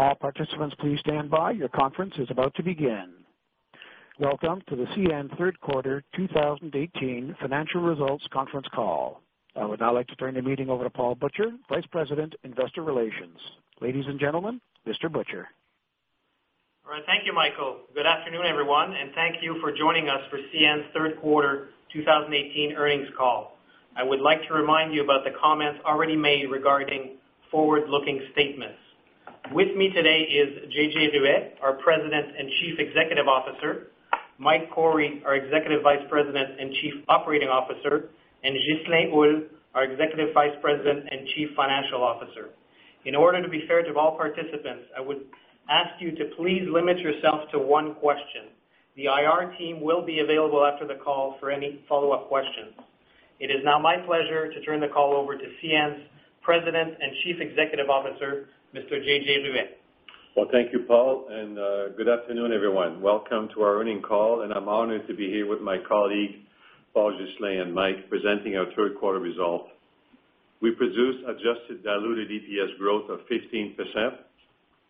All participants, please stand by. Your conference is about to begin. Welcome to the CN Third Quarter 2018 Financial Results Conference Call. I would now like to turn the meeting over to Paul Butcher, Vice President, Investor Relations. Ladies and gentlemen, Mr. Butcher. All right. Thank you, Michael. Good afternoon, everyone, and thank you for joining us for CN Third Quarter 2018 Earnings Call. I would like to remind you about the comments already made regarding forward-looking statements. With me today is J.J. Ruest, our President and Chief Executive Officer, Mike Cory, our Executive Vice President and Chief Operating Officer, and Ghislain Houle, our Executive Vice President and Chief Financial Officer. In order to be fair to all participants, I would ask you to please limit yourself to one question. The IR team will be available after the call for any follow-up questions. It is now my pleasure to turn the call over to CN's President and Chief Executive Officer, Mr. J.J. Ruest. Well, thank you, Paul, and good afternoon, everyone. Welcome to our earnings call, and I'm honored to be here with my colleagues, Paul, Ghislain, and Mike, presenting our third quarter results. We produced adjusted diluted EPS growth of 15%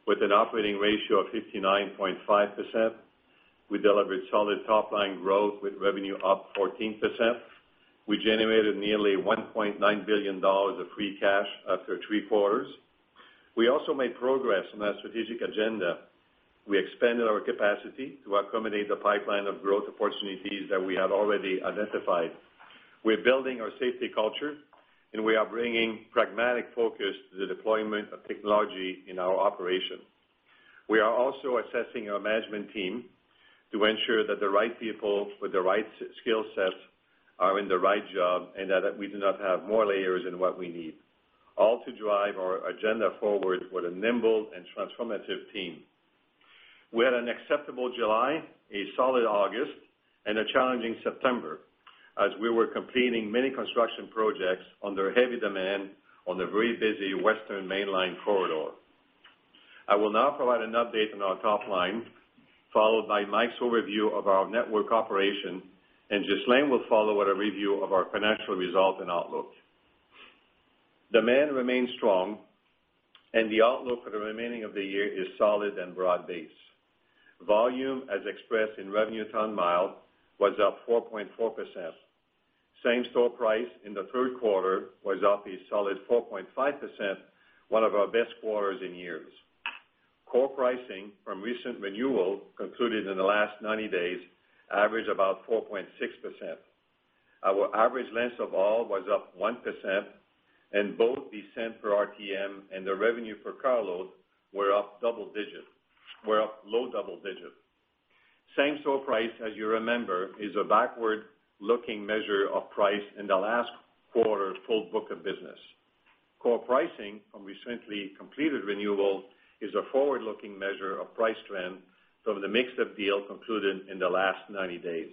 with an operating ratio of 59.5%. We delivered solid top-line growth with revenue up 14%. We generated nearly $1.9 billion of free cash after three quarters. We also made progress on our strategic agenda. We expanded our capacity to accommodate the pipeline of growth opportunities that we had already identified. We're building our safety culture, and we are bringing pragmatic focus to the deployment of technology in our operation. We are also assessing our management team to ensure that the right people with the right skill sets are in the right job and that we do not have more layers in what we need, all to drive our agenda forward with a nimble and transformative team. We had an acceptable July, a solid August, and a challenging September as we were completing many construction projects under heavy demand on the very busy western mainline corridor. I will now provide an update on our top line, followed by Mike's overview of our network operation, and Ghislain will follow with a review of our financial results and outlook. Demand remains strong, and the outlook for the remaining of the year is solid and broad-based. Volume, as expressed in revenue ton-miles, was up 4.4%. Same-store price in the third quarter was up a solid 4.5%, one of our best quarters in years. Core pricing from recent renewal concluded in the last 90 days averaged about 4.6%. Our average length of haul was up 1%, and both the cents per RTM and the revenue per carload were up low double digits. Same-store price, as you remember, is a backward-looking measure of price in the last quarter's full book of business. Core pricing from recently completed renewal is a forward-looking measure of price trend from the mix of deals concluded in the last 90 days.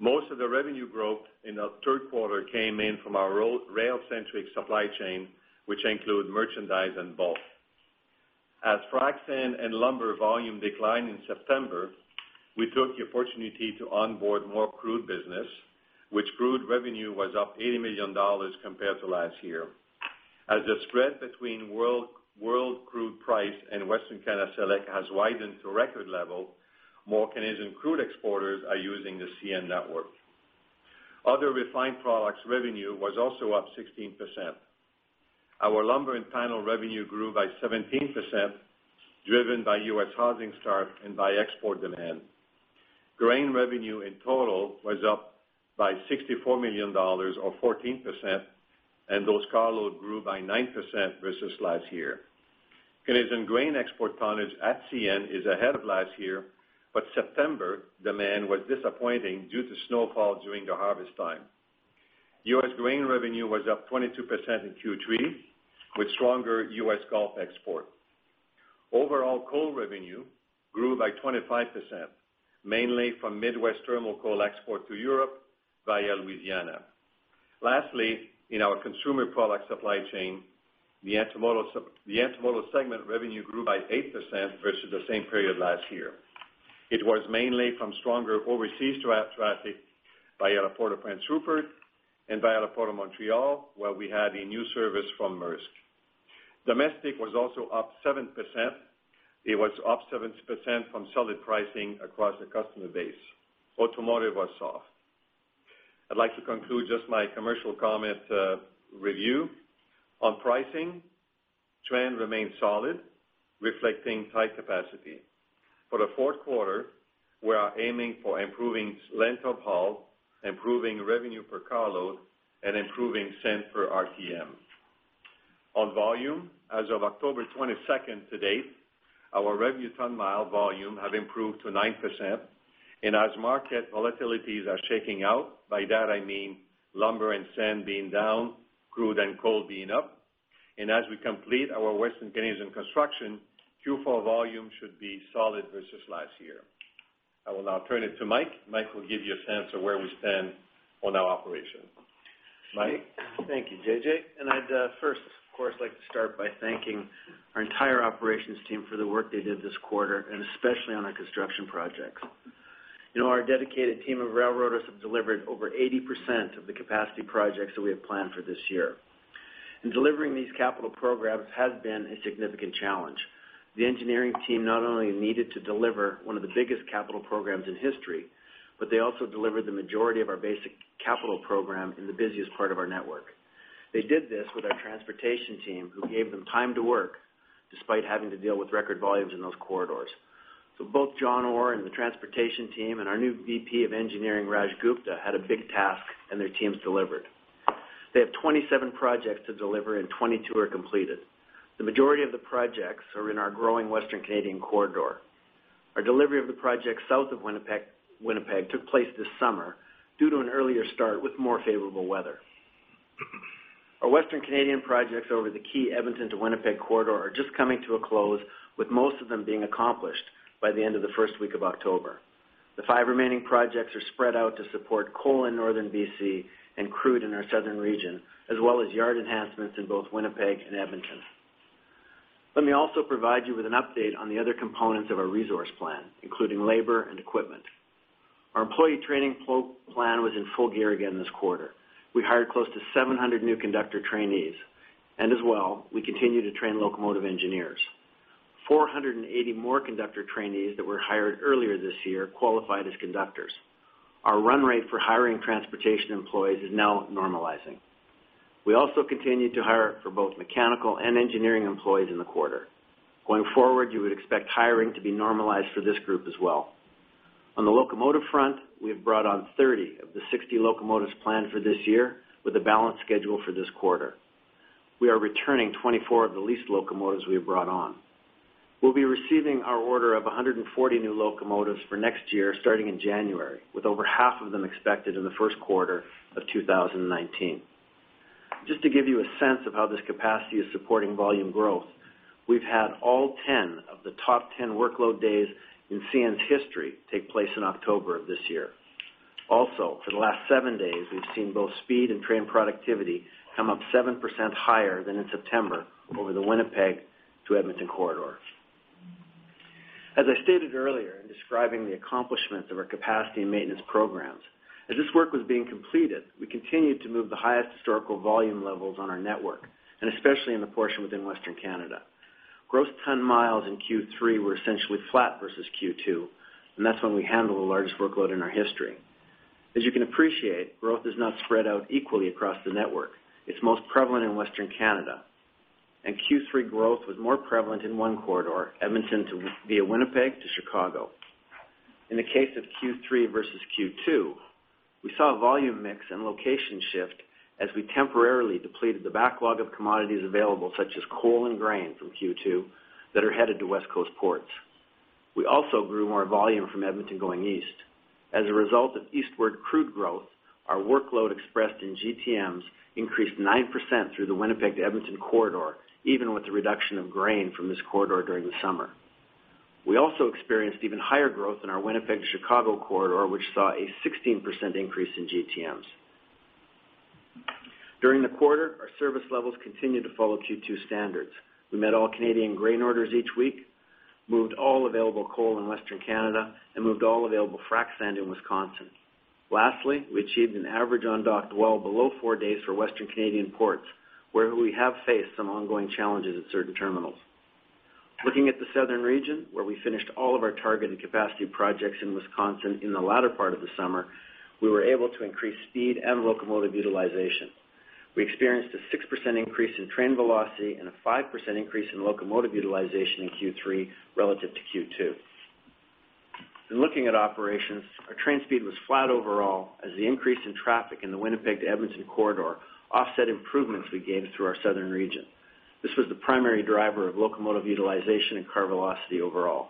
Most of the revenue growth in the third quarter came in from our rail-centric supply chain, which includes merchandise and bulk. As frac and lumber volume declined in September, we took the opportunity to onboard more crude business, which crude revenue was up $80 million compared to last year. As the spread between world crude price and Western Canada Select has widened to record level, more Canadian crude exporters are using the CN network. Other refined products' revenue was also up 16%. Our lumber and panel revenue grew by 17%, driven by U.S. housing starts and by export demand. Grain revenue in total was up by $64 million, or 14%, and those carloads grew by 9% versus last year. Canadian grain export tonnage at CN is ahead of last year, but September demand was disappointing due to snowfall during the harvest time. U.S. grain revenue was up 22% in Q3, with stronger U.S. Gulf export. Overall, coal revenue grew by 25%, mainly from Midwest thermal coal export to Europe via Louisiana. Lastly, in our consumer product supply chain, the intermodal segment revenue grew by 8% versus the same period last year. It was mainly from stronger overseas traffic via the Port of Prince Rupert and via the Port of Montréal, where we had a new service from Maersk. Domestic was also up 7%. It was up 7% from solid pricing across the customer base. Automotive was soft. I'd like to conclude just my commercial comment review. On pricing, trend remains solid, reflecting tight capacity. For the fourth quarter, we are aiming for improving length of haul, improving revenue per carload, and improving cents per RTM. On volume, as of October 22nd to date, our revenue ton mile volume has improved to 9%. And as market volatilities are shaking out, by that I mean lumber and sand being down, crude and coal being up. And as we complete our Western Canadian construction, Q4 volume should be solid versus last year. I will now turn it to Mike. Mike will give you a sense of where we stand on our operation. Mike, thank you, J.J. I'd first, of course, like to start by thanking our entire operations team for the work they did this quarter, and especially on our construction projects. Our dedicated team of railroaders have delivered over 80% of the capacity projects that we have planned for this year. Delivering these capital programs has been a significant challenge. The engineering team not only needed to deliver one of the biggest capital programs in history, but they also delivered the majority of our basic capital program in the busiest part of our network. They did this with our transportation team, who gave them time to work despite having to deal with record volumes in those corridors. Both John Orr and the transportation team and our new VP of Engineering, Raj Gupta, had a big task, and their teams delivered. They have 27 projects to deliver, and 22 are completed. The majority of the projects are in our growing Western Canadian corridor. Our delivery of the projects south of Winnipeg took place this summer due to an earlier start with more favorable weather. Our Western Canadian projects over the key Edmonton to Winnipeg corridor are just coming to a close, with most of them being accomplished by the end of the first week of October. The 5 remaining projects are spread out to support coal in northern BC and crude in our southern region, as well as yard enhancements in both Winnipeg and Edmonton. Let me also provide you with an update on the other components of our resource plan, including labor and equipment. Our employee training plan was in full gear again this quarter. We hired close to 700 new conductor trainees. As well, we continue to train locomotive engineers. 480 more conductor trainees that were hired earlier this year qualified as conductors. Our run rate for hiring transportation employees is now normalizing. We also continue to hire for both mechanical and engineering employees in the quarter. Going forward, you would expect hiring to be normalized for this group as well. On the locomotive front, we have brought on 30 of the 60 locomotives planned for this year, with a balanced schedule for this quarter. We are returning 24 of the leased locomotives we have brought on. We'll be receiving our order of 140 new locomotives for next year, starting in January, with over half of them expected in the first quarter of 2019. Just to give you a sense of how this capacity is supporting volume growth, we've had all 10 of the top 10 workload days in CN's history take place in October of this year. Also, for the last seven days, we've seen both speed and train productivity come up 7% higher than in September over the Winnipeg to Edmonton corridor. As I stated earlier in describing the accomplishments of our capacity and maintenance programs, as this work was being completed, we continued to move the highest historical volume levels on our network, and especially in the portion within Western Canada. Gross ton-miles in Q3 were essentially flat versus Q2, and that's when we handled the largest workload in our history. As you can appreciate, growth is not spread out equally across the network. It's most prevalent in Western Canada, and Q3 growth was more prevalent in one corridor, Edmonton via Winnipeg to Chicago. In the case of Q3 versus Q2, we saw a volume mix and location shift as we temporarily depleted the backlog of commodities available, such as coal and grain, from Q2 that are headed to West Coast ports. We also grew more volume from Edmonton going east. As a result of eastward crude growth, our workload expressed in GTMs increased 9% through the Winnipeg to Edmonton corridor, even with the reduction of grain from this corridor during the summer. We also experienced even higher growth in our Winnipeg to Chicago corridor, which saw a 16% increase in GTMs. During the quarter, our service levels continued to follow Q2 standards. We met all Canadian grain orders each week, moved all available coal in Western Canada, and moved all available frac sand in Wisconsin. Lastly, we achieved an average on-dock dwell well below four days for Western Canadian ports, where we have faced some ongoing challenges at certain terminals. Looking at the southern region, where we finished all of our targeted capacity projects in Wisconsin in the latter part of the summer, we were able to increase speed and locomotive utilization. We experienced a 6% increase in train velocity and a 5% increase in locomotive utilization in Q3 relative to Q2. In looking at operations, our train speed was flat overall, as the increase in traffic in the Winnipeg to Edmonton corridor offset improvements we gained through our southern region. This was the primary driver of locomotive utilization and car velocity overall.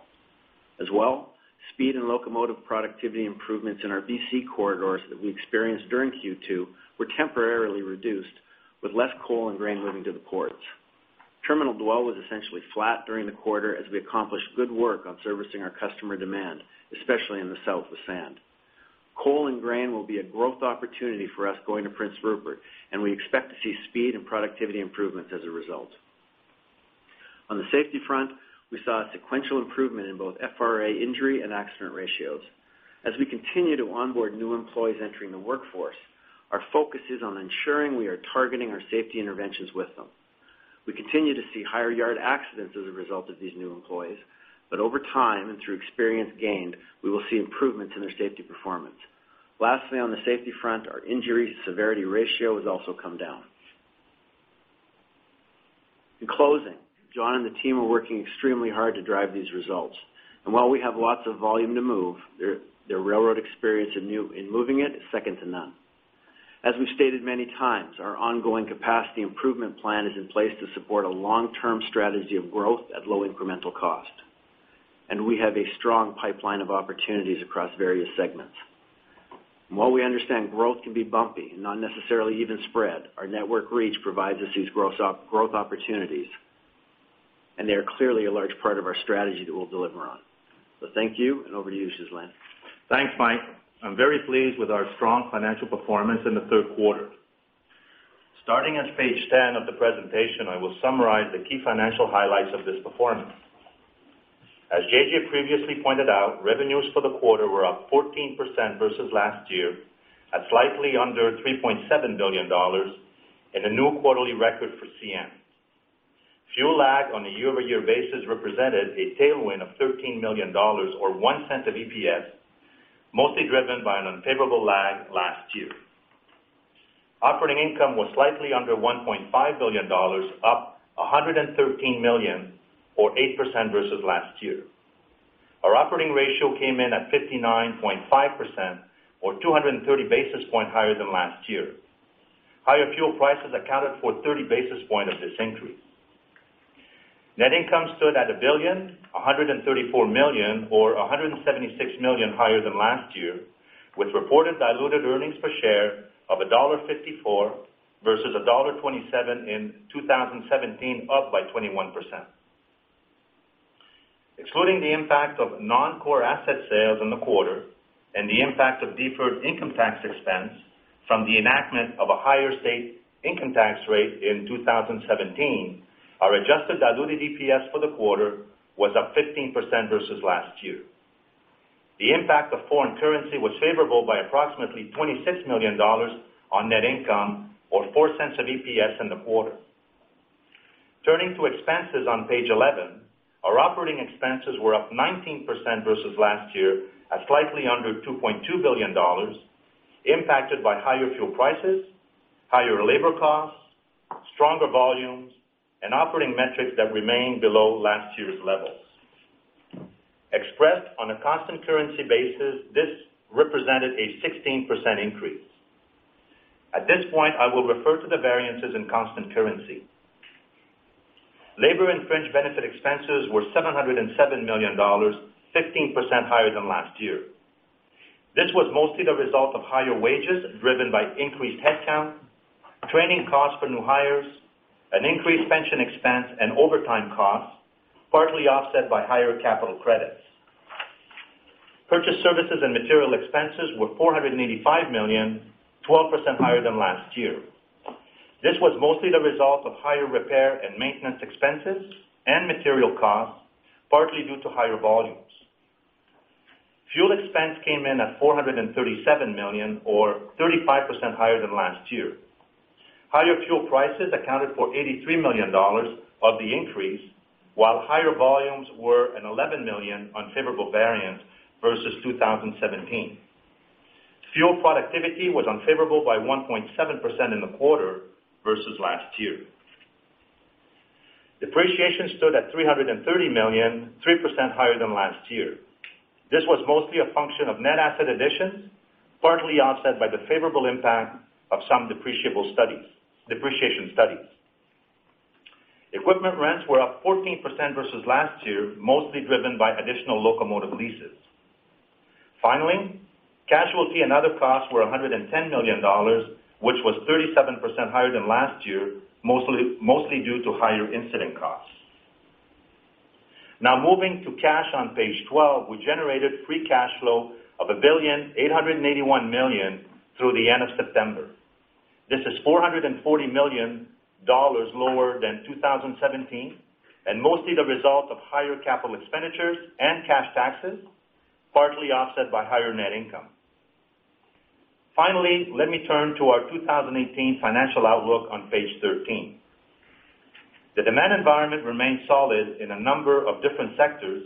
As well, speed and locomotive productivity improvements in our BC corridors that we experienced during Q2 were temporarily reduced, with less coal and grain moving to the ports. Terminal dwell was essentially flat during the quarter as we accomplished good work on servicing our customer demand, especially in the south with sand. Coal and grain will be a growth opportunity for us going to Prince Rupert, and we expect to see speed and productivity improvements as a result. On the safety front, we saw a sequential improvement in both FRA injury and accident ratios. As we continue to onboard new employees entering the workforce, our focus is on ensuring we are targeting our safety interventions with them. We continue to see higher yard accidents as a result of these new employees, but over time and through experience gained, we will see improvements in their safety performance. Lastly, on the safety front, our injury severity ratio has also come down. In closing, John and the team are working extremely hard to drive these results. While we have lots of volume to move, their railroad experience in moving it is second to none. As we've stated many times, our ongoing capacity improvement plan is in place to support a long-term strategy of growth at low incremental cost. We have a strong pipeline of opportunities across various segments. While we understand growth can be bumpy and not necessarily even spread, our network reach provides us these growth opportunities, and they are clearly a large part of our strategy that we'll deliver on. Thank you, and over to you, Ghislain. Thanks, Mike. I'm very pleased with our strong financial performance in the third quarter. Starting at page 10 of the presentation, I will summarize the key financial highlights of this performance. As J.J. previously pointed out, revenues for the quarter were up 14% versus last year, at slightly under $3.7 billion, and a new quarterly record for CN. Fuel lag on a year-over-year basis represented a tailwind of $13 million, or $0.01 of EPS, mostly driven by an unfavorable lag last year. Operating income was slightly under $1.5 billion, up $113 million, or 8% versus last year. Our operating ratio came in at 59.5%, or 230 basis points higher than last year. Higher fuel prices accounted for 30 basis points of this increase. Net income stood at $1,134 million, or $176 million higher than last year, with reported diluted earnings per share of $1.54 versus $1.27 in 2017, up by 21%. Excluding the impact of non-core asset sales in the quarter and the impact of deferred income tax expense from the enactment of a higher state income tax rate in 2017, our adjusted diluted EPS for the quarter was up 15% versus last year. The impact of foreign currency was favorable by approximately $26 million on net income, or $0.04 of EPS in the quarter. Turning to expenses on page 11, our operating expenses were up 19% versus last year, at slightly under $2.2 billion, impacted by higher fuel prices, higher labor costs, stronger volumes, and operating metrics that remain below last year's levels. Expressed on a constant currency basis, this represented a 16% increase. At this point, I will refer to the variances in constant currency. Labor and fringe benefit expenses were 707 million dollars, 15% higher than last year. This was mostly the result of higher wages driven by increased headcount, training costs for new hires, an increased pension expense, and overtime costs, partly offset by higher capital credits. Purchased services and material expenses were 485 million, 12% higher than last year. This was mostly the result of higher repair and maintenance expenses and material costs, partly due to higher volumes. Fuel expense came in at 437 million, or 35% higher than last year. Higher fuel prices accounted for 83 million dollars of the increase, while higher volumes were an 11 million unfavorable variance versus 2017. Fuel productivity was unfavorable by 1.7% in the quarter versus last year. Depreciation stood at 330 million, 3% higher than last year. This was mostly a function of net asset additions, partly offset by the favorable impact of some depreciable studies. Equipment rents were up 14% versus last year, mostly driven by additional locomotive leases. Finally, casualty and other costs were $110 million, which was 37% higher than last year, mostly due to higher incident costs. Now moving to cash on page 12, we generated free cash flow of $1,881 million through the end of September. This is $440 million lower than 2017, and mostly the result of higher capital expenditures and cash taxes, partly offset by higher net income. Finally, let me turn to our 2018 financial outlook on page 13. The demand environment remained solid in a number of different sectors,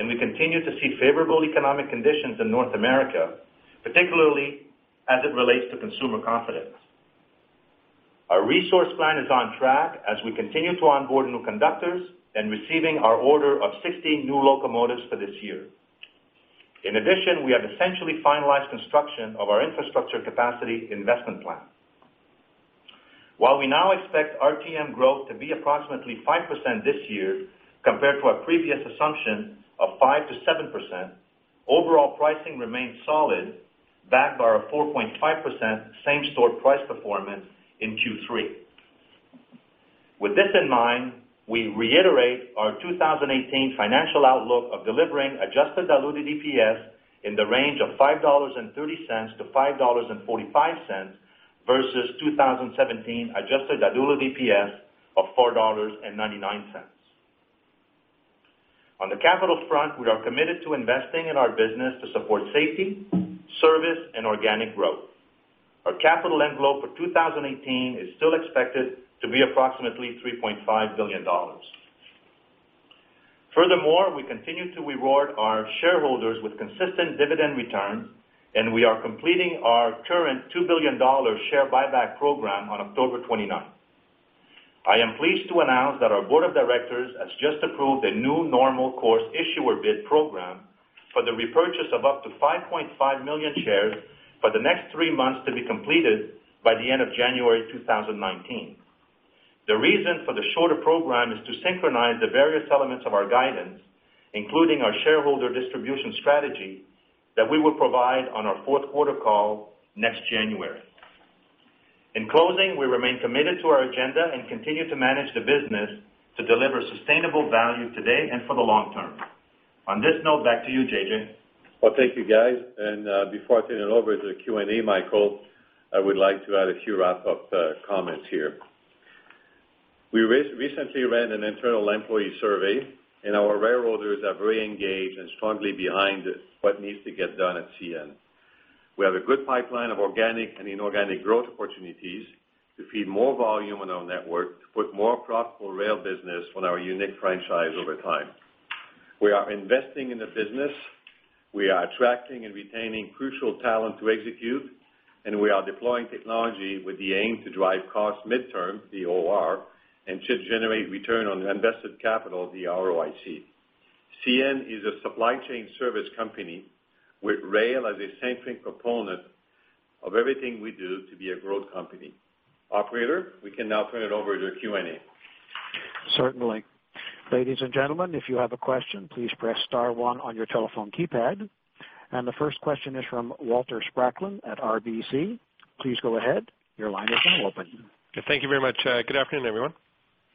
and we continue to see favorable economic conditions in North America, particularly as it relates to consumer confidence. Our resource plan is on track as we continue to onboard new conductors and receiving our order of 60 new locomotives for this year. In addition, we have essentially finalized construction of our infrastructure capacity investment plan. While we now expect RTM growth to be approximately 5% this year compared to our previous assumption of 5%-7%, overall pricing remained solid, backed by our 4.5% same-store price performance in Q3. With this in mind, we reiterate our 2018 financial outlook of delivering adjusted diluted EPS in the range of $5.30-$5.45 versus 2017 adjusted diluted EPS of $4.99. On the capital front, we are committed to investing in our business to support safety, service, and organic growth. Our capital envelope for 2018 is still expected to be approximately $3.5 billion. Furthermore, we continue to reward our shareholders with consistent dividend returns, and we are completing our current $2 billion share buyback program on October 29. I am pleased to announce that our board of directors has just approved a new normal course issuer bid program for the repurchase of up to 5.5 million shares for the next three months to be completed by the end of January 2019. The reason for the shorter program is to synchronize the various elements of our guidance, including our shareholder distribution strategy, that we will provide on our fourth quarter call next January. In closing, we remain committed to our agenda and continue to manage the business to deliver sustainable value today and for the long term. On this note, back to you, J.J. Well, thank you, guys. Before I turn it over to the Q&A, Michael, I would like to add a few wrap-up comments here. We recently ran an internal employee survey, and our railroaders are very engaged and strongly behind what needs to get done at CN. We have a good pipeline of organic and inorganic growth opportunities to feed more volume on our network, to put more profitable rail business on our unique franchise over time. We are investing in the business. We are attracting and retaining crucial talent to execute, and we are deploying technology with the aim to drive cost midterm, the OR, and should generate return on invested capital, the ROIC. CN is a supply chain service company with rail as a central component of everything we do to be a growth company. Operator, we can now turn it over to the Q&A. Certainly. Ladies and gentlemen, if you have a question, please press star one on your telephone keypad. The first question is from Walter Spracklin at RBC. Please go ahead. Your line is now open. Thank you very much. Good afternoon, everyone.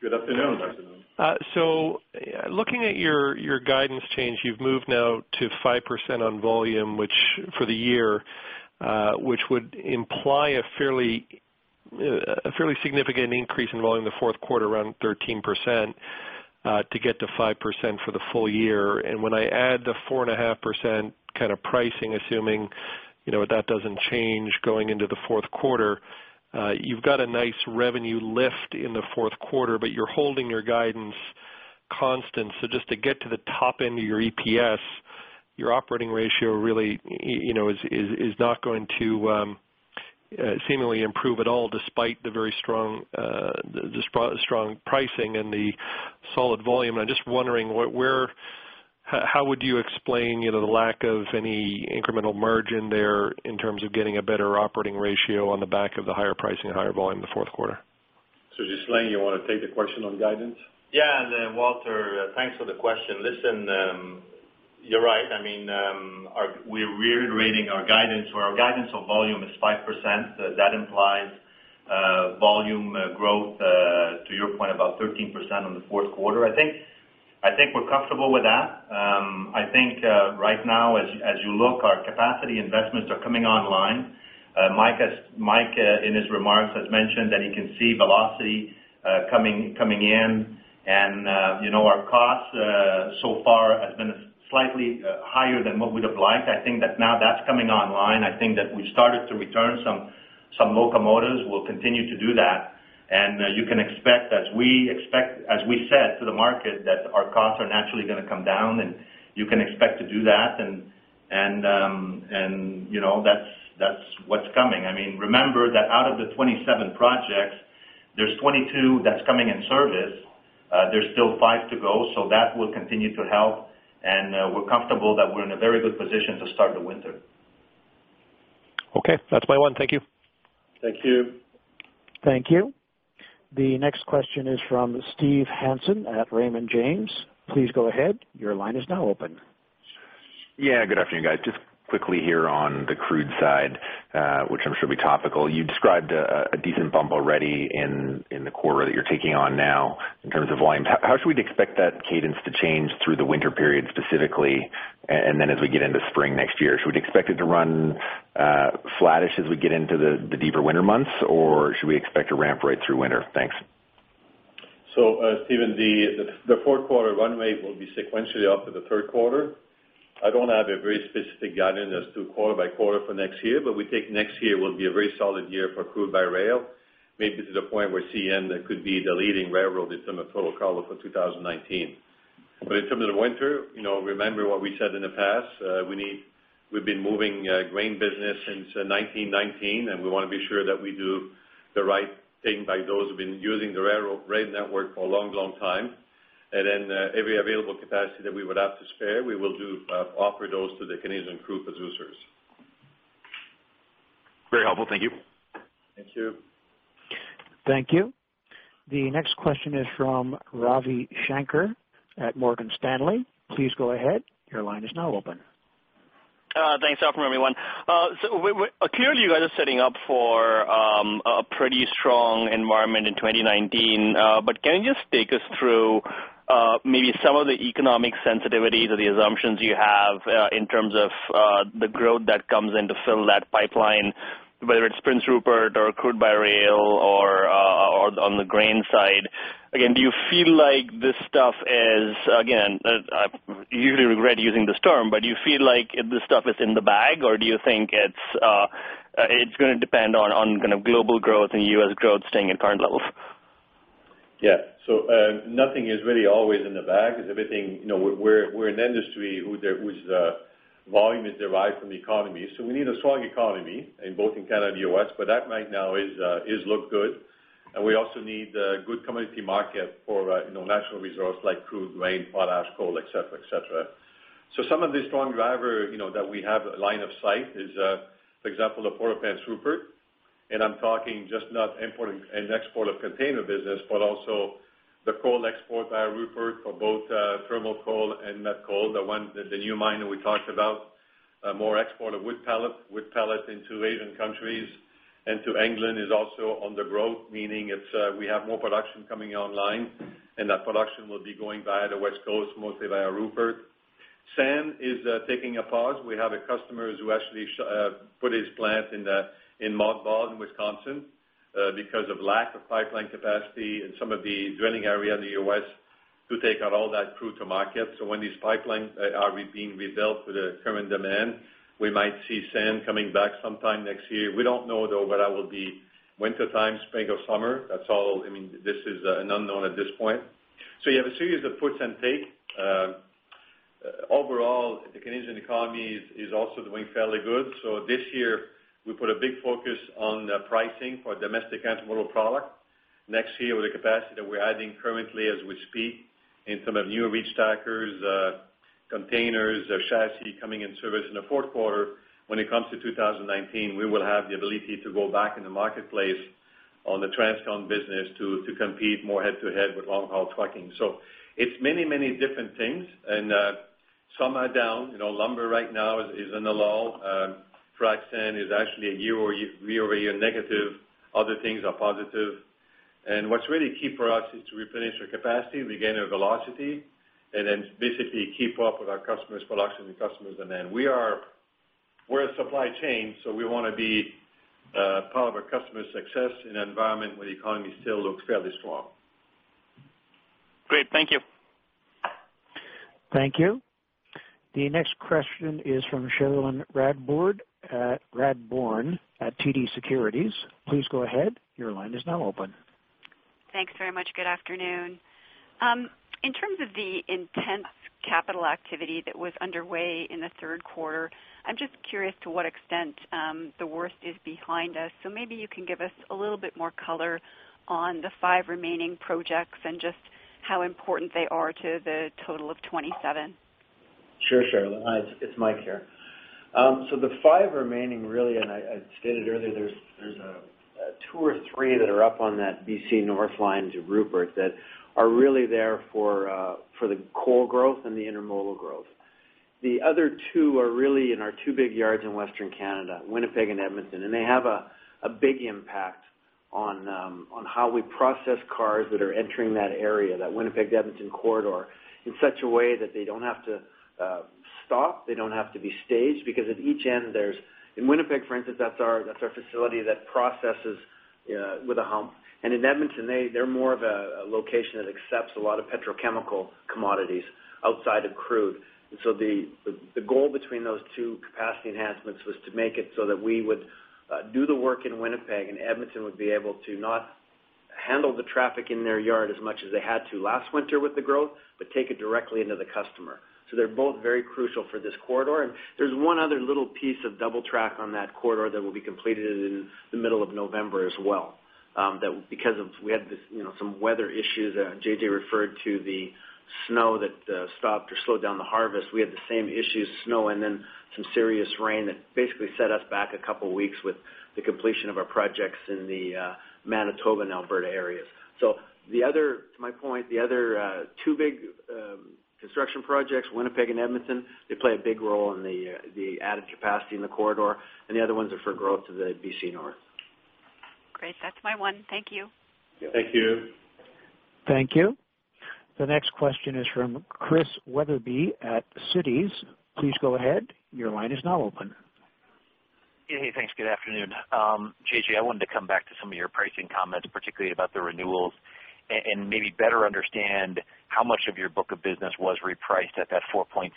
Good afternoon. So looking at your guidance change, you've moved now to 5% on volume, which for the year, which would imply a fairly significant increase in volume the fourth quarter, around 13%, to get to 5% for the full year. And when I add the 4.5% kind of pricing, assuming that doesn't change going into the fourth quarter, you've got a nice revenue lift in the fourth quarter, but you're holding your guidance constant. So just to get to the top end of your EPS, your operating ratio really is not going to seemingly improve at all, despite the very strong pricing and the solid volume. And I'm just wondering, how would you explain the lack of any incremental margin there in terms of getting a better operating ratio on the back of the higher pricing, higher volume the fourth quarter? Ghislain, you want to take the question on guidance? Yeah, and Walter, thanks for the question. Listen, you're right. I mean, we're reiterating our guidance. Our guidance on volume is 5%. That implies volume growth, to your point, about 13% on the fourth quarter. I think we're comfortable with that. I think right now, as you look, our capacity investments are coming online. Mike, in his remarks, has mentioned that he can see velocity coming in. And our cost so far has been slightly higher than what we'd have liked. I think that now that's coming online. I think that we've started to return some locomotives. We'll continue to do that. And you can expect, as we said to the market, that our costs are naturally going to come down, and you can expect to do that. And that's what's coming. I mean, remember that out of the 27 projects, there's 22 that's coming in service. There's still five to go, so that will continue to help. We're comfortable that we're in a very good position to start the winter. Okay. That's my one. Thank you. Thank you. Thank you. The next question is from Steve Hansen at Raymond James. Please go ahead. Your line is now open. Yeah, good afternoon, guys. Just quickly here on the crude side, which I'm sure will be topical. You described a decent bump already in the quarter that you're taking on now in terms of volumes. How should we expect that cadence to change through the winter period specifically, and then as we get into spring next year? Should we expect it to run flattish as we get into the deeper winter months, or should we expect a ramp right through winter? Thanks. So Steven, the fourth quarter runway will be sequentially up to the third quarter. I don't have a very specific guidance as to quarter by quarter for next year, but we take next year will be a very solid year for crude by rail, maybe to the point where CN could be the leading railroad in terms of total carload for 2019. But in terms of winter, remember what we said in the past. We've been moving grain business since 1919, and we want to be sure that we do the right thing by those who've been using the rail network for a long, long time. And then every available capacity that we would have to spare, we will offer those to the Canadian crude producers. Very helpful. Thank you. Thank you. Thank you. The next question is from Ravi Shanker at Morgan Stanley. Please go ahead. Your line is now open. Thanks, everyone. So clearly, you guys are setting up for a pretty strong environment in 2019. But can you just take us through maybe some of the economic sensitivities or the assumptions you have in terms of the growth that comes in to fill that pipeline, whether it's Prince Rupert or crude by rail or on the grain side? Again, do you feel like this stuff is, again, I usually regret using this term, but do you feel like this stuff is in the bag, or do you think it's going to depend on kind of global growth and U.S. growth staying at current levels? Yeah. So nothing is really always in the bag. We're an industry whose volume is derived from the economy. So we need a strong economy in both Canada and the U.S., but that right now is looking good. And we also need a good commodity market for natural resources like crude, grain, potash, coal, etc., etc. So some of the strong drivers that we have a line of sight is, for example, the Port of Prince Rupert. And I'm talking not just import and export of container business, but also the coal export via Rupert for both thermal coal and met coal, the new mine that we talked about, more export of wood pellet, wood pellet into Asian countries. And to England is also on the growth, meaning we have more production coming online, and that production will be going via the West Coast, mostly via Rupert. Sand is taking a pause. We have a customer who actually put his plant in mothballs in Wisconsin because of lack of pipeline capacity in some of the drilling area in the U.S. to take out all that crude to market. So when these pipelines are being rebuilt to the current demand, we might see sand coming back sometime next year. We don't know, though, what that will be wintertime, spring or summer. I mean, this is an unknown at this point. So you have a series of puts and takes. Overall, the Canadian economy is also doing fairly good. So this year, we put a big focus on pricing for domestic intermodal product. Next year, with the capacity that we're adding currently as we speak in some of new reach stackers, containers, chassis coming in service in the fourth quarter, when it comes to 2019, we will have the ability to go back in the marketplace on the transcontinental business to compete more head-to-head with long-haul trucking. So it's many, many different things. And some are down. Lumber right now is in the lull. Frac sand is actually a year-over-year negative. Other things are positive. And what's really key for us is to replenish our capacity, regain our velocity, and then basically keep up with our customers, production customers, and then. We're a supply chain, so we want to be part of our customer's success in an environment where the economy still looks fairly strong. Great. Thank you. Thank you. The next question is from Cherilyn Radbourne at TD Securities. Please go ahead. Your line is now open. Thanks very much. Good afternoon. In terms of the intense capital activity that was underway in the third quarter, I'm just curious to what extent the worst is behind us. So maybe you can give us a little bit more color on the five remaining projects and just how important they are to the total of 27. Sure, Cherilyn. Hi, it's Mike here. So the 5 remaining really, and I stated earlier, there's 2 or 3 that are up on that BC North line to Rupert that are really there for the coal growth and the intermodal growth. The other 2 are really in our 2 big yards in Western Canada, Winnipeg and Edmonton. And they have a big impact on how we process cars that are entering that area, that Winnipeg-Edmonton corridor, in such a way that they don't have to stop. They don't have to be staged because at each end, there's in Winnipeg, for instance, that's our facility that processes with a hump. And in Edmonton, they're more of a location that accepts a lot of petrochemical commodities outside of crude. The goal between those two capacity enhancements was to make it so that we would do the work in Winnipeg, and Edmonton would be able to not handle the traffic in their yard as much as they had to last winter with the growth, but take it directly into the customer. They're both very crucial for this corridor. There's one other little piece of double track on that corridor that will be completed in the middle of November as well. Because we had some weather issues, J.J. referred to the snow that stopped or slowed down the harvest. We had the same issues, snow and then some serious rain that basically set us back a couple of weeks with the completion of our projects in the Manitoba and Alberta areas. So to my point, the other two big construction projects, Winnipeg and Edmonton, they play a big role in the added capacity in the corridor. The other ones are for growth to the BC North. Great. That's my one. Thank you. Thank you. Thank you. The next question is from Chris Wetherbee at Citi. Please go ahead. Your line is now open. Hey, thanks. Good afternoon. J.J., I wanted to come back to some of your pricing comments, particularly about the renewals, and maybe better understand how much of your book of business was repriced at that 4.6%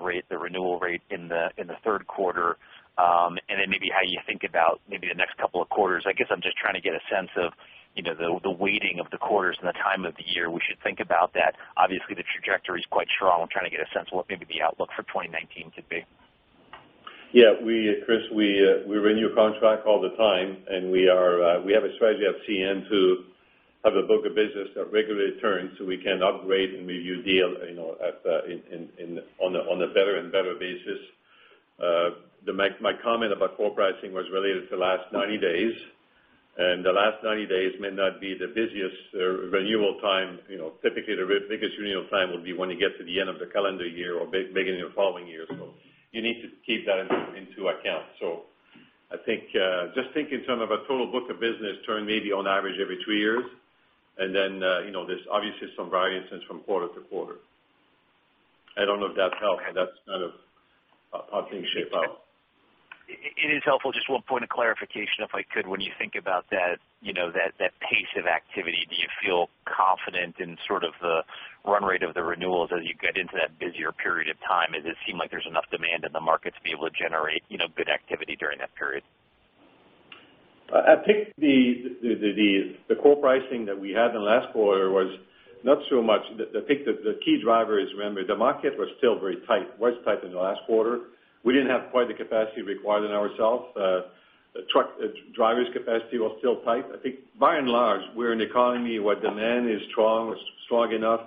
rate, the renewal rate in the third quarter, and then maybe how you think about maybe the next couple of quarters. I guess I'm just trying to get a sense of the weighting of the quarters and the time of the year. We should think about that. Obviously, the trajectory is quite strong. I'm trying to get a sense of what maybe the outlook for 2019 could be. Yeah. Chris, we renew contracts all the time, and we have a strategy of CN to have a book of business that regularly turns so we can upgrade and review deals on a better and better basis. My comment about core pricing was related to the last 90 days. The last 90 days may not be the busiest renewal time. Typically, the biggest renewal time would be when you get to the end of the calendar year or beginning of the following year. You need to keep that into account. I think just think in terms of our total book of business turned maybe on average every two years. Then there's obviously some variations from quarter to quarter. I don't know if that helps, but that's kind of how things shape out. It is helpful. Just one point of clarification, if I could. When you think about that pace of activity, do you feel confident in sort of the run rate of the renewals as you get into that busier period of time? Does it seem like there's enough demand in the market to be able to generate good activity during that period? I think the core pricing that we had in the last quarter was not so much. I think the key driver is, remember, the market was still very tight, was tight in the last quarter. We didn't have quite the capacity required in ourselves. The truck driver's capacity was still tight. I think by and large, we're an economy where demand is strong, strong enough.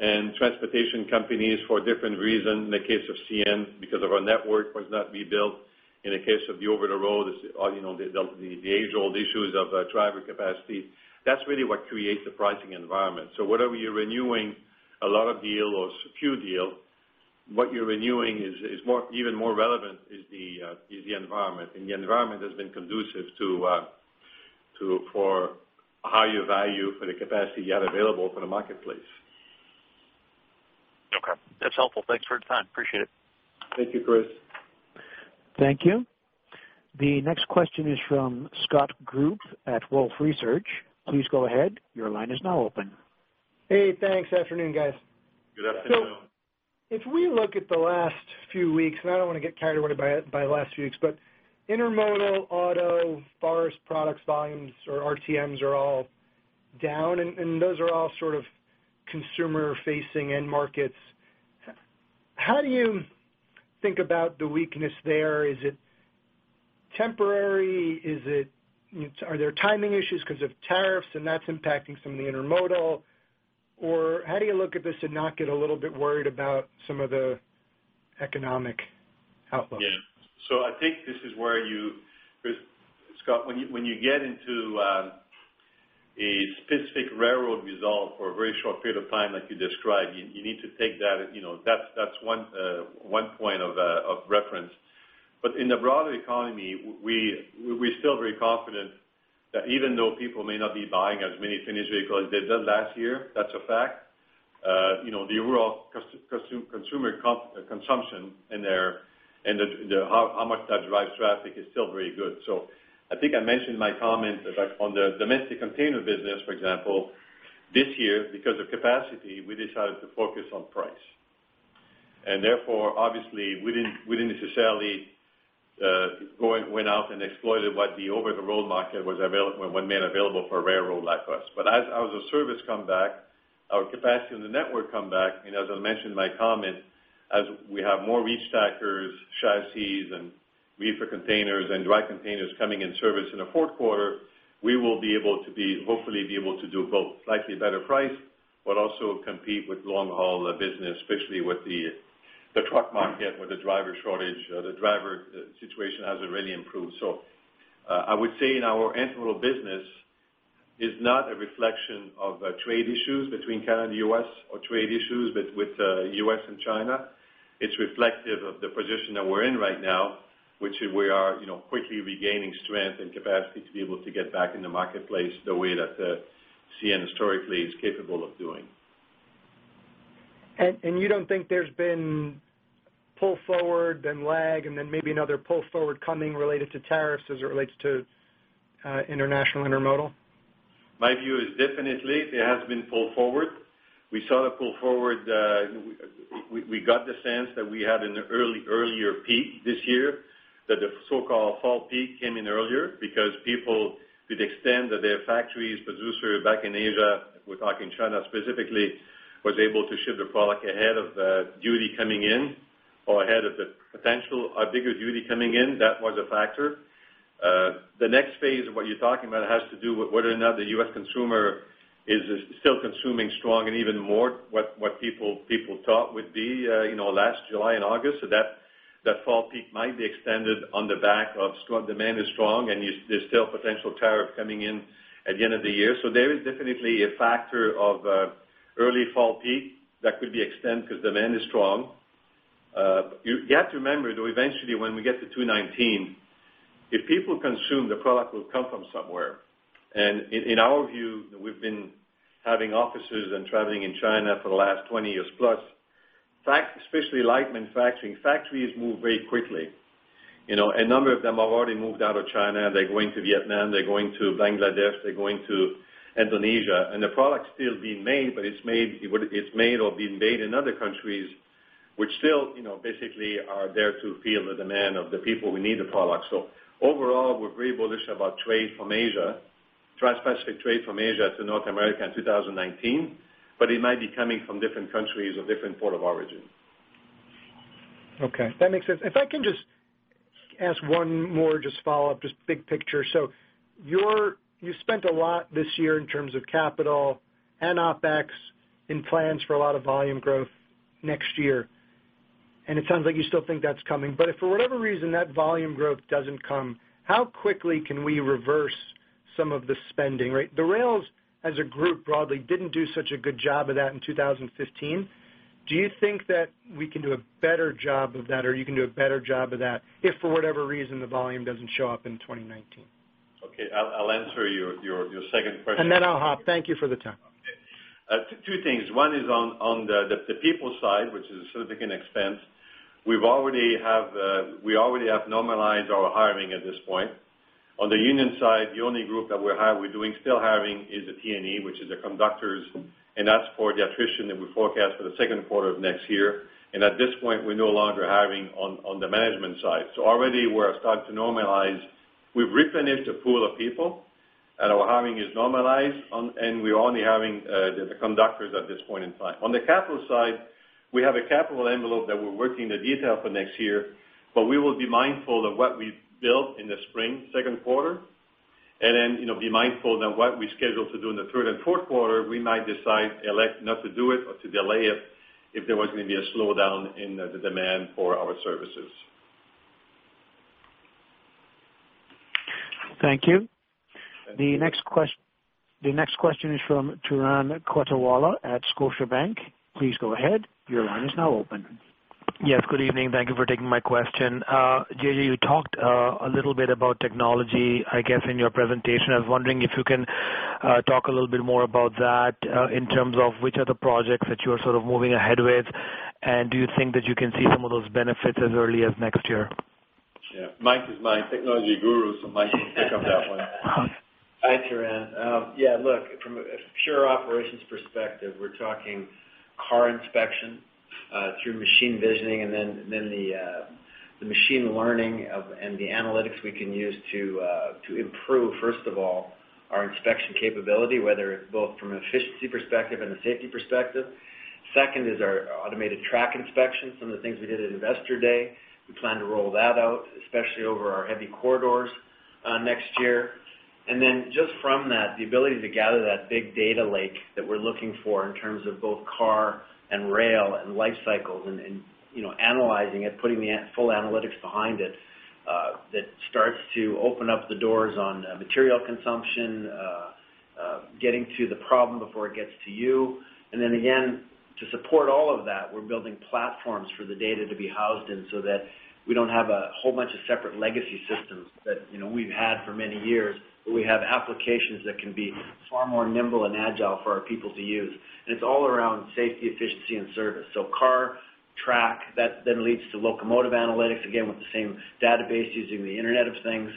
And transportation companies, for different reasons, in the case of CN, because of our network, was not rebuilt. In the case of the over-the-road, the age-old issues of driver capacity, that's really what creates the pricing environment. So whether you're renewing a lot of deals or few deals, what you're renewing is even more relevant is the environment. And the environment has been conducive for higher value for the capacity you have available for the marketplace. Okay. That's helpful. Thanks for your time. Appreciate it. Thank you, Chris. Thank you. The next question is from Scott Group at Wolfe Research. Please go ahead. Your line is now open. Hey, thanks. Afternoon, guys. Good afternoon. If we look at the last few weeks, and I don't want to get carried away by the last few weeks, but intermodal, auto, forest products volumes or RTMs are all down, and those are all sort of consumer-facing end markets. How do you think about the weakness there? Is it temporary? Are there timing issues because of tariffs, and that's impacting some of the intermodal? Or how do you look at this and not get a little bit worried about some of the economic outlook? Yeah. So I think this is where you, Scott, when you get into a specific railroad result for a very short period of time, like you described, you need to take that. That's one point of reference. But in the broader economy, we're still very confident that even though people may not be buying as many finished vehicles as they did last year, that's a fact. The overall consumer consumption and how much that drives traffic is still very good. So I think I mentioned in my comment on the domestic container business, for example, this year, because of capacity, we decided to focus on price. And therefore, obviously, we didn't necessarily go out and exploit what the over-the-road market was made available for railroad like us. But as our service comes back, our capacity on the network comes back. As I mentioned in my comment, as we have more reach stackers, chassis, and reefer containers and dry containers coming in service in the fourth quarter, we will be able to hopefully be able to do both slightly better price, but also compete with long-haul business, especially with the truck market, with the driver shortage. The driver situation hasn't really improved. So I would say in our intermodal business, it's not a reflection of trade issues between Canada and the U.S. or trade issues with the U.S. and China. It's reflective of the position that we're in right now, which we are quickly regaining strength and capacity to be able to get back in the marketplace the way that CN historically is capable of doing. You don't think there's been pull forward, then lag, and then maybe another pull forward coming related to tariffs as it relates to international intermodal? My view is definitely there has been pull forward. We saw the pull forward. We got the sense that we had an earlier peak this year, that the so-called fall peak came in earlier because people, to the extent that their factories, producers back in Asia, we're talking China specifically, were able to ship the product ahead of duty coming in or ahead of the potential bigger duty coming in. That was a factor. The next phase of what you're talking about has to do with whether or not the U.S. consumer is still consuming strong and even more what people thought would be last July and August. So that fall peak might be extended on the back of strong demand is strong and there's still potential tariff coming in at the end of the year. So there is definitely a factor of early fall peak that could be extended because demand is strong. You have to remember that eventually, when we get to 2019, if people consume, the product will come from somewhere. And in our view, we've been having offices and traveling in China for the last 20+ years. In fact, especially light manufacturing, factories move very quickly. A number of them have already moved out of China. They're going to Vietnam. They're going to Bangladesh. They're going to Indonesia. And the product's still being made, but it's made or being made in other countries which still basically are there to feel the demand of the people who need the product. So overall, we're very bullish about trade from Asia, trans-Pacific trade from Asia to North America in 2019, but it might be coming from different countries or different port of origin. Okay. That makes sense. If I can just ask one more just follow-up, just big picture. So you spent a lot this year in terms of capital and OPEX in plans for a lot of volume growth next year. And it sounds like you still think that's coming. But if for whatever reason that volume growth doesn't come, how quickly can we reverse some of the spending? The rails, as a group broadly, didn't do such a good job of that in 2015. Do you think that we can do a better job of that, or you can do a better job of that if for whatever reason the volume doesn't show up in 2019? Okay. I'll answer your second question. And then I'll hop. Thank you for the time. Two things. One is on the people side, which is a significant expense. We already have normalized our hiring at this point. On the union side, the only group that we're still hiring is the T&E, which is the conductors. And that's for the attrition that we forecast for the second quarter of next year. And at this point, we're no longer hiring on the management side. So already, we're starting to normalize. We've replenished a pool of people, and our hiring is normalized, and we're only hiring the conductors at this point in time. On the capital side, we have a capital envelope that we're working the detail for next year, but we will be mindful of what we built in the spring, second quarter, and then be mindful that what we scheduled to do in the third and fourth quarter, we might decide not to do it or to delay it if there was going to be a slowdown in the demand for our services. Thank you. The next question is from Turan Quettawala at Scotiabank. Please go ahead. Your line is now open. Yes. Good evening. Thank you for taking my question. J.J., you talked a little bit about technology, I guess, in your presentation. I was wondering if you can talk a little bit more about that in terms of which are the projects that you are sort of moving ahead with, and do you think that you can see some of those benefits as early as next year? Yeah. Mike is my technology guru, so Mike will pick up that one. Hi, Turan. Yeah, look, from a pure operations perspective, we're talking car inspection through machine vision, and then the machine learning and the analytics we can use to improve, first of all, our inspection capability, whether it's both from an efficiency perspective and a safety perspective. Second is our automated track inspection. Some of the things we did at Investor Day, we plan to roll that out, especially over our heavy corridors next year. And then just from that, the ability to gather that big data lake that we're looking for in terms of both car and rail and life cycles and analyzing it, putting the full analytics behind it, that starts to open up the doors on material consumption, getting to the problem before it gets to you. And then again, to support all of that, we're building platforms for the data to be housed in so that we don't have a whole bunch of separate legacy systems that we've had for many years, but we have applications that can be far more nimble and agile for our people to use. And it's all around safety, efficiency, and service. So car, track, that then leads to locomotive analytics, again, with the same database using the Internet of Things.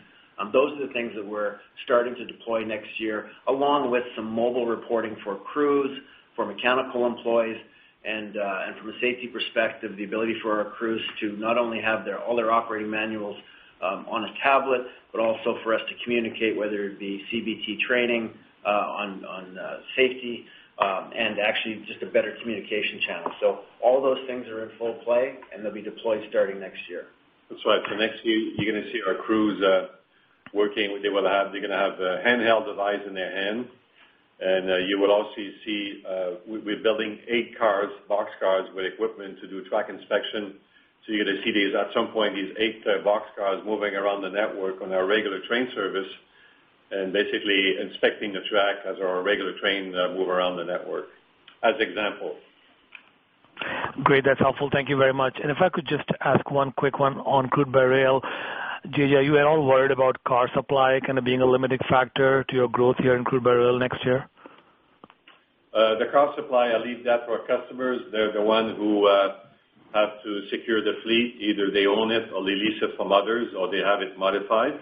Those are the things that we're starting to deploy next year, along with some mobile reporting for crews, for mechanical employees. And from a safety perspective, the ability for our crews to not only have all their operating manuals on a tablet, but also for us to communicate, whether it be CBT training on safety and actually just a better communication channel. All those things are in full play, and they'll be deployed starting next year. That's right. So next year, you're going to see our crews working with the way they're going to have a handheld device in their hand. And you will also see we're building 8 boxcars with equipment to do track inspection. So you're going to see at some point these 8 boxcars moving around the network on our regular train service and basically inspecting the track as our regular train moves around the network, as an example. Great. That's helpful. Thank you very much. If I could just ask one quick one on crude by rail. J.J., you are all worried about car supply kind of being a limiting factor to your growth here in crude by rail next year? The car supply, I leave that to our customers. They're the ones who have to secure the fleet. Either they own it or they lease it from others, or they have it modified.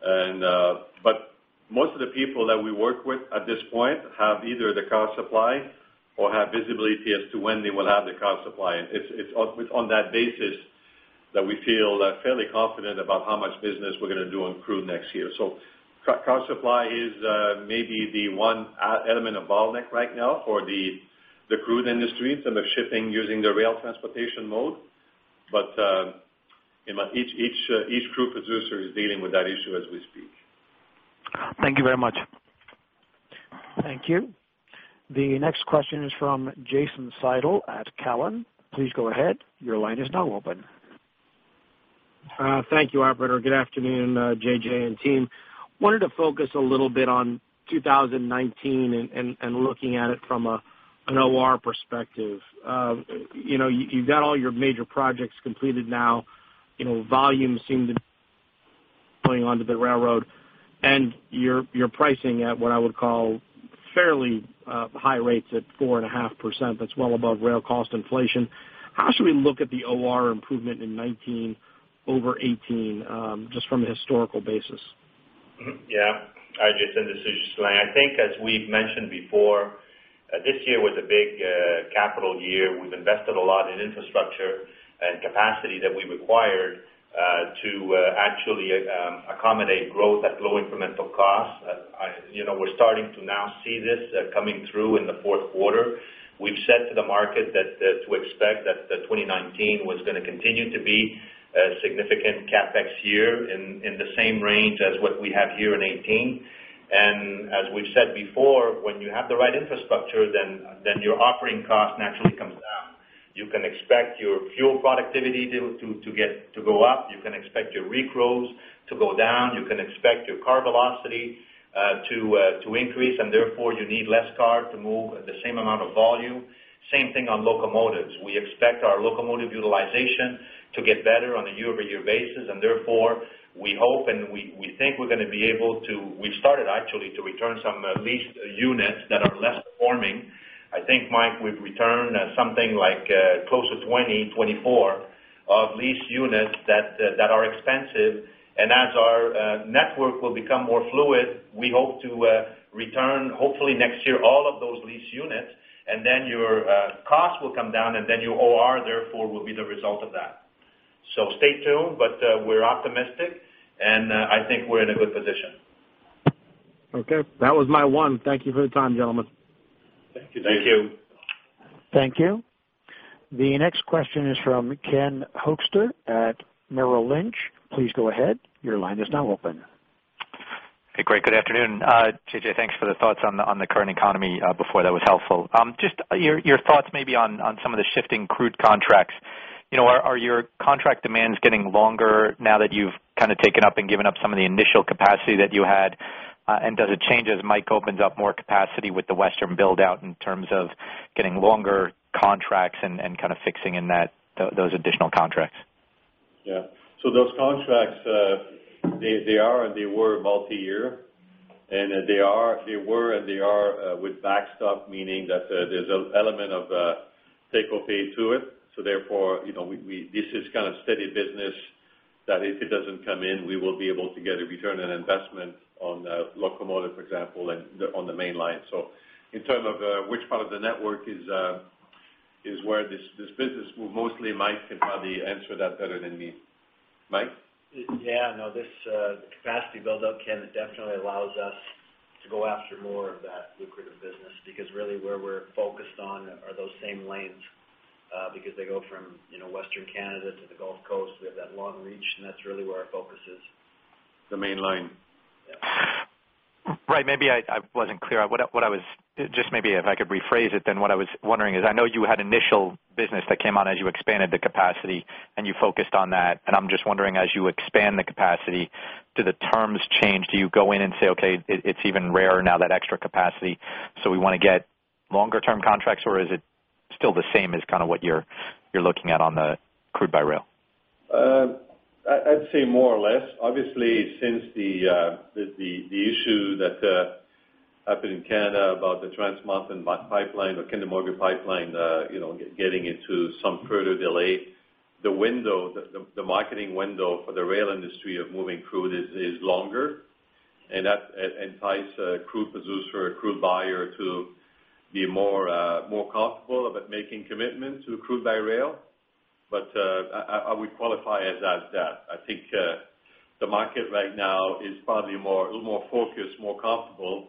But most of the people that we work with at this point have either the car supply or have visibility as to when they will have the car supply. It's on that basis that we feel fairly confident about how much business we're going to do on crude next year. So car supply is maybe the one element of bottleneck right now for the crude industry in terms of shipping using the rail transportation mode. But each crude producer is dealing with that issue as we speak. Thank you very much. Thank you. The next question is from Jason Seidl at Cowen. Please go ahead. Your line is now open. Thank you, Operator. Good afternoon, J.J. and team. Wanted to focus a little bit on 2019 and looking at it from an OR perspective. You've got all your major projects completed now. Volume seemed to be going onto the railroad, and you're pricing at what I would call fairly high rates at 4.5%. That's well above rail cost inflation. How should we look at the OR improvement in 2019 over 2018, just from a historical basis? Yeah. I just want to end this with just a line. I think, as we've mentioned before, this year was a big capital year. We've invested a lot in infrastructure and capacity that we required to actually accommodate growth at low incremental costs. We're starting to now see this coming through in the fourth quarter. We've said to the market that to expect that 2019 was going to continue to be a significant CapEx year in the same range as what we have here in 2018. And as we've said before, when you have the right infrastructure, then your operating cost naturally comes down. You can expect your fuel productivity to go up. You can expect your re-crews to go down. You can expect your car velocity to increase. And therefore, you need less car to move the same amount of volume. Same thing on locomotives. We expect our locomotive utilization to get better on a year-over-year basis. Therefore, we hope and we think we're going to be able to—we've started, actually, to return some leased units that are less performing. I think, Mike, we've returned something like close to 20-24 of leased units that are expensive. And as our network will become more fluid, we hope to return, hopefully, next year all of those leased units, and then your cost will come down, and then your OR, therefore, will be the result of that. So stay tuned, but we're optimistic, and I think we're in a good position. Okay. That was my one. Thank you for the time, gentlemen. Thank you. Thank you. Thank you. The next question is from Ken Hoexter at Merrill Lynch. Please go ahead. Your line is now open. Hey, Good afternoon. J.J., thanks for the thoughts on the current economy before. That was helpful. Just your thoughts maybe on some of the shifting crude contracts. Are your contract demands getting longer now that you've kind of taken up and given up some of the initial capacity that you had? And does it change as Mike opens up more capacity with the Western build-out in terms of getting longer contracts and kind of fixing in those additional contracts? Yeah. So those contracts, they are and they were multi-year, and they are and they are with backstop, meaning that there's an element of take-or-pay fee to it. So therefore, this is kind of steady business that if it doesn't come in, we will be able to get a return on investment on locomotive, for example, and on the main line. So in terms of which part of the network is where this business moves, mostly Mike can probably answer that better than me. Mike? Yeah. No, this capacity build-up definitely allows us to go after more of that lucrative business because really where we're focused on are those same lanes because they go from Western Canada to the Gulf Coast. We have that long reach, and that's really where our focus is. The main line. Yeah. Right. Maybe I wasn't clear. Just maybe if I could rephrase it, then what I was wondering is I know you had initial business that came on as you expanded the capacity, and you focused on that. And I'm just wondering, as you expand the capacity, do the terms change? Do you go in and say, "Okay, it's even rarer now that extra capacity, so we want to get longer-term contracts," or is it still the same as kind of what you're looking at on the crude by rail? I'd say more or less. Obviously, since the issue that happened in Canada about the Trans Mountain Pipeline or Kinder Morgan Pipeline getting into some further delay, the marketing window for the rail industry of moving crude is longer. And that entice crude producer, crude buyer to be more comfortable about making commitment to crude by rail. But I would qualify it as that. I think the market right now is probably a little more focused, more comfortable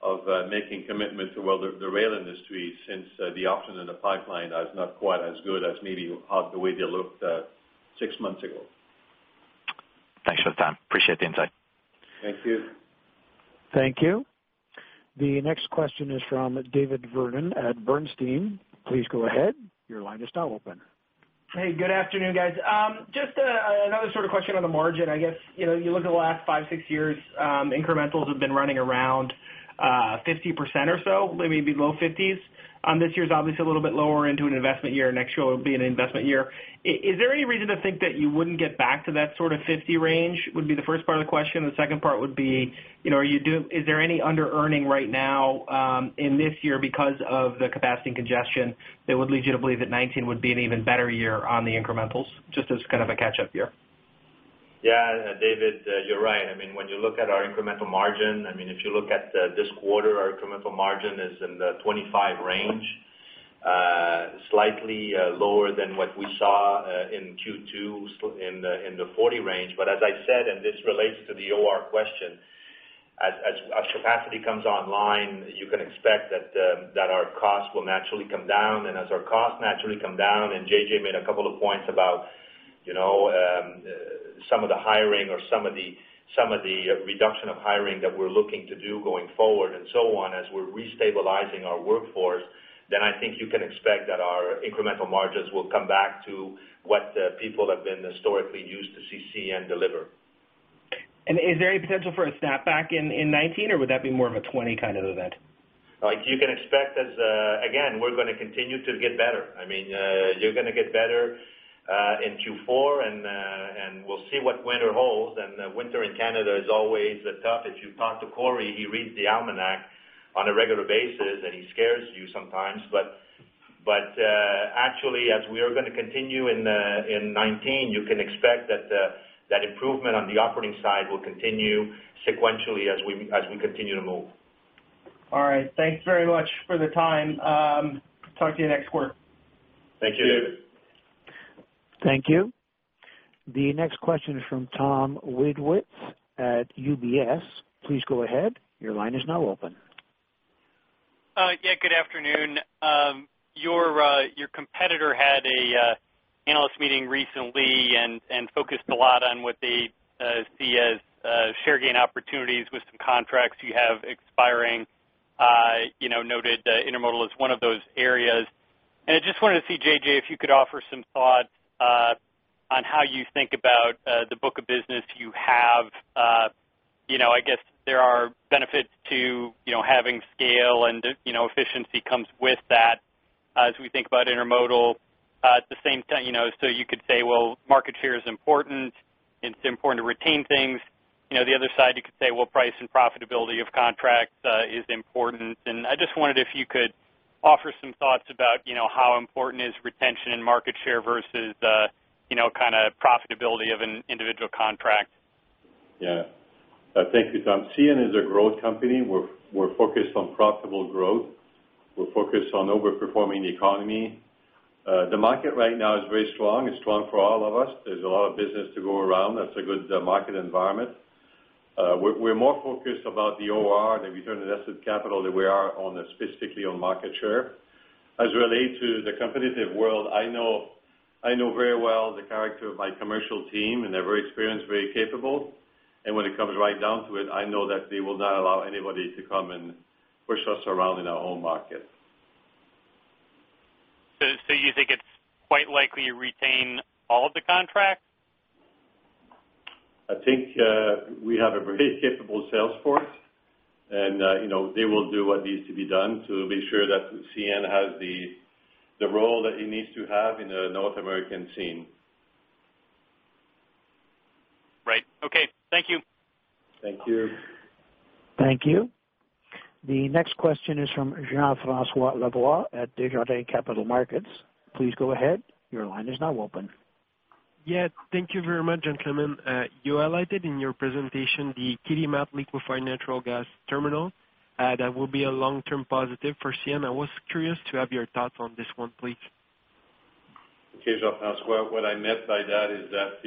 of making commitment to the rail industry since the option in the pipeline is not quite as good as maybe the way they looked six months ago. Thanks for the time. Appreciate the insight. Thank you. Thank you. The next question is from David Vernon at Bernstein. Please go ahead. Your line is now open. Hey, good afternoon, guys. Just another sort of question on the margin. I guess you look at the last 5, 6 years, incrementals have been running around 50% or so, maybe low 50s. This year is obviously a little bit lower into an investment year. Next year will be an investment year. Is there any reason to think that you wouldn't get back to that sort of 50 range? Would be the first part of the question. The second part would be, is there any under-earning right now in this year because of the capacity congestion that would lead you to believe that 2019 would be an even better year on the incrementals, just as kind of a catch-up year? Yeah. David, you're right. I mean, when you look at our incremental margin, I mean, if you look at this quarter, our incremental margin is in the 25 range, slightly lower than what we saw in Q2 in the 40 range. But as I said, and this relates to the OR question, as capacity comes online, you can expect that our costs will naturally come down. And as our costs naturally come down, and J.J. made a couple of points about some of the hiring or some of the reduction of hiring that we're looking to do going forward and so on as we're restabilizing our workforce, then I think you can expect that our incremental margins will come back to what people have been historically used to see and deliver. Is there any potential for a snapback in 2019, or would that be more of a 2020 kind of event? You can expect, again, we're going to continue to get better. I mean, you're going to get better in Q4, and we'll see what winter holds. Winter in Canada is always tough. If you talk to Cory, he reads the almanac on a regular basis, and he scares you sometimes. But actually, as we are going to continue in 2019, you can expect that that improvement on the operating side will continue sequentially as we continue to move. All right. Thanks very much for the time. Talk to you next quarter. Thank you, David. Thank you. The next question is from Tom Wadewitz at UBS. Please go ahead. Your line is now open. Yeah. Good afternoon. Your competitor had an analyst meeting recently and focused a lot on what they see as share gain opportunities with some contracts you have expiring. Noted intermodal is one of those areas. And I just wanted to see, J.J., if you could offer some thoughts on how you think about the book of business you have. I guess there are benefits to having scale, and efficiency comes with that as we think about intermodal. At the same time, so you could say, "Well, market share is important. It's important to retain things." The other side, you could say, "Well, price and profitability of contracts is important." And I just wanted if you could offer some thoughts about how important is retention and market share versus kind of profitability of an individual contract. Yeah. Thank you, Tom. CN is a growth company. We're focused on profitable growth. We're focused on overperforming the economy. The market right now is very strong. It's strong for all of us. There's a lot of business to go around. That's a good market environment. We're more focused about the OR and the return on invested capital than we are specifically on market share. As it relates to the competitive world, I know very well the character of my commercial team, and they're very experienced, very capable. And when it comes right down to it, I know that they will not allow anybody to come and push us around in our own market. You think it's quite likely you retain all of the contracts? I think we have a very capable sales force, and they will do what needs to be done to make sure that CN has the role that it needs to have in the North American scene. Right. Okay. Thank you. Thank you. Thank you. The next question is from Jean-François Lavoie at Desjardins Capital Markets. Please go ahead. Your line is now open. Yeah. Thank you very much, gentlemen. You highlighted in your presentation the Kitimat liquefied natural gas terminal that will be a long-term positive for CN. I was curious to have your thoughts on this one, please. Okay. Jean-François, what I meant by that is that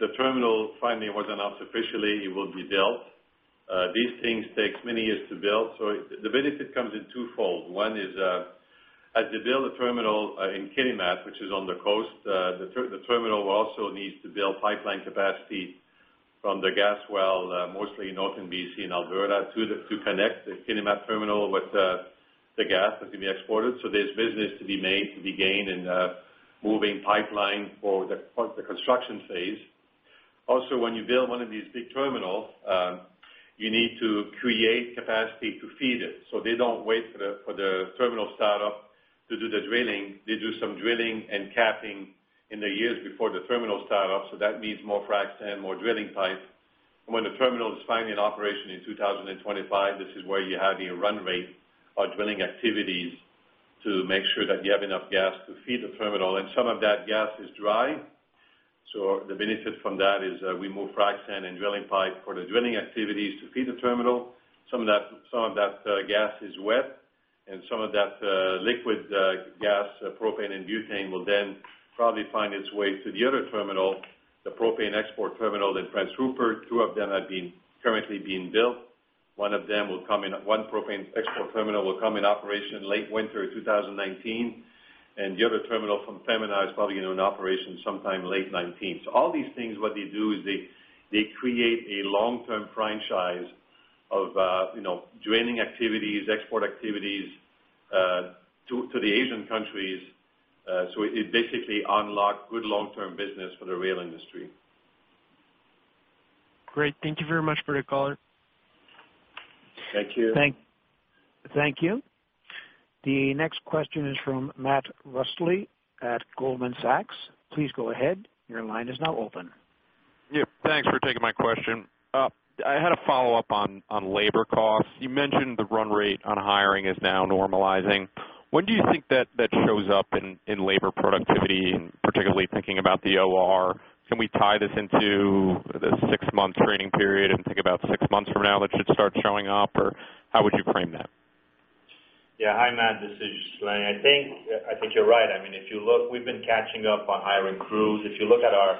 the terminal funding was announced officially. It will be built. These things take many years to build. So the benefit comes in twofold. One is, as they build the terminal in Kitimat, which is on the coast, the terminal also needs to build pipeline capacity from the gas well, mostly in Northern BC and Alberta, to connect the Kitimat terminal with the gas that can be exported. So there's business to be made, to be gained in moving pipeline for the construction phase. Also, when you build one of these big terminals, you need to create capacity to feed it. So they don't wait for the terminal startup to do the drilling. They do some drilling and capping in the years before the terminal startup. So that means more frac sand, more drilling pipe. When the terminal is finally in operation in 2025, this is where you have your run rate of drilling activities to make sure that you have enough gas to feed the terminal. Some of that gas is dry. The benefit from that is we move frac sand and drilling pipe for the drilling activities to feed the terminal. Some of that gas is wet, and some of that liquid gas, propane and butane, will then probably find its way to the other terminal, the propane export terminal in Prince Rupert. Two of them have been currently being built. One of them will come in; one propane export terminal will come in operation late winter 2019, and the other terminal from Pembina is probably in operation sometime late 2019. So all these things, what they do is they create a long-term franchise of drilling activities, export activities to the Asian countries. So it basically unlocks good long-term business for the rail industry. Great. Thank you very much for your color. Thank you. Thank you. The next question is from Matthew Reustle at Goldman Sachs. Please go ahead. Your line is now open. Yeah. Thanks for taking my question. I had a follow-up on labor costs. You mentioned the run rate on hiring is now normalizing. When do you think that shows up in labor productivity, particularly thinking about the OR? Can we tie this into the six-month training period and think about six months from now that should start showing up, or how would you frame that? Yeah. Hi, Matt. This is Ghislain. I think you're right. I mean, if you look, we've been catching up on hiring crews. If you look at our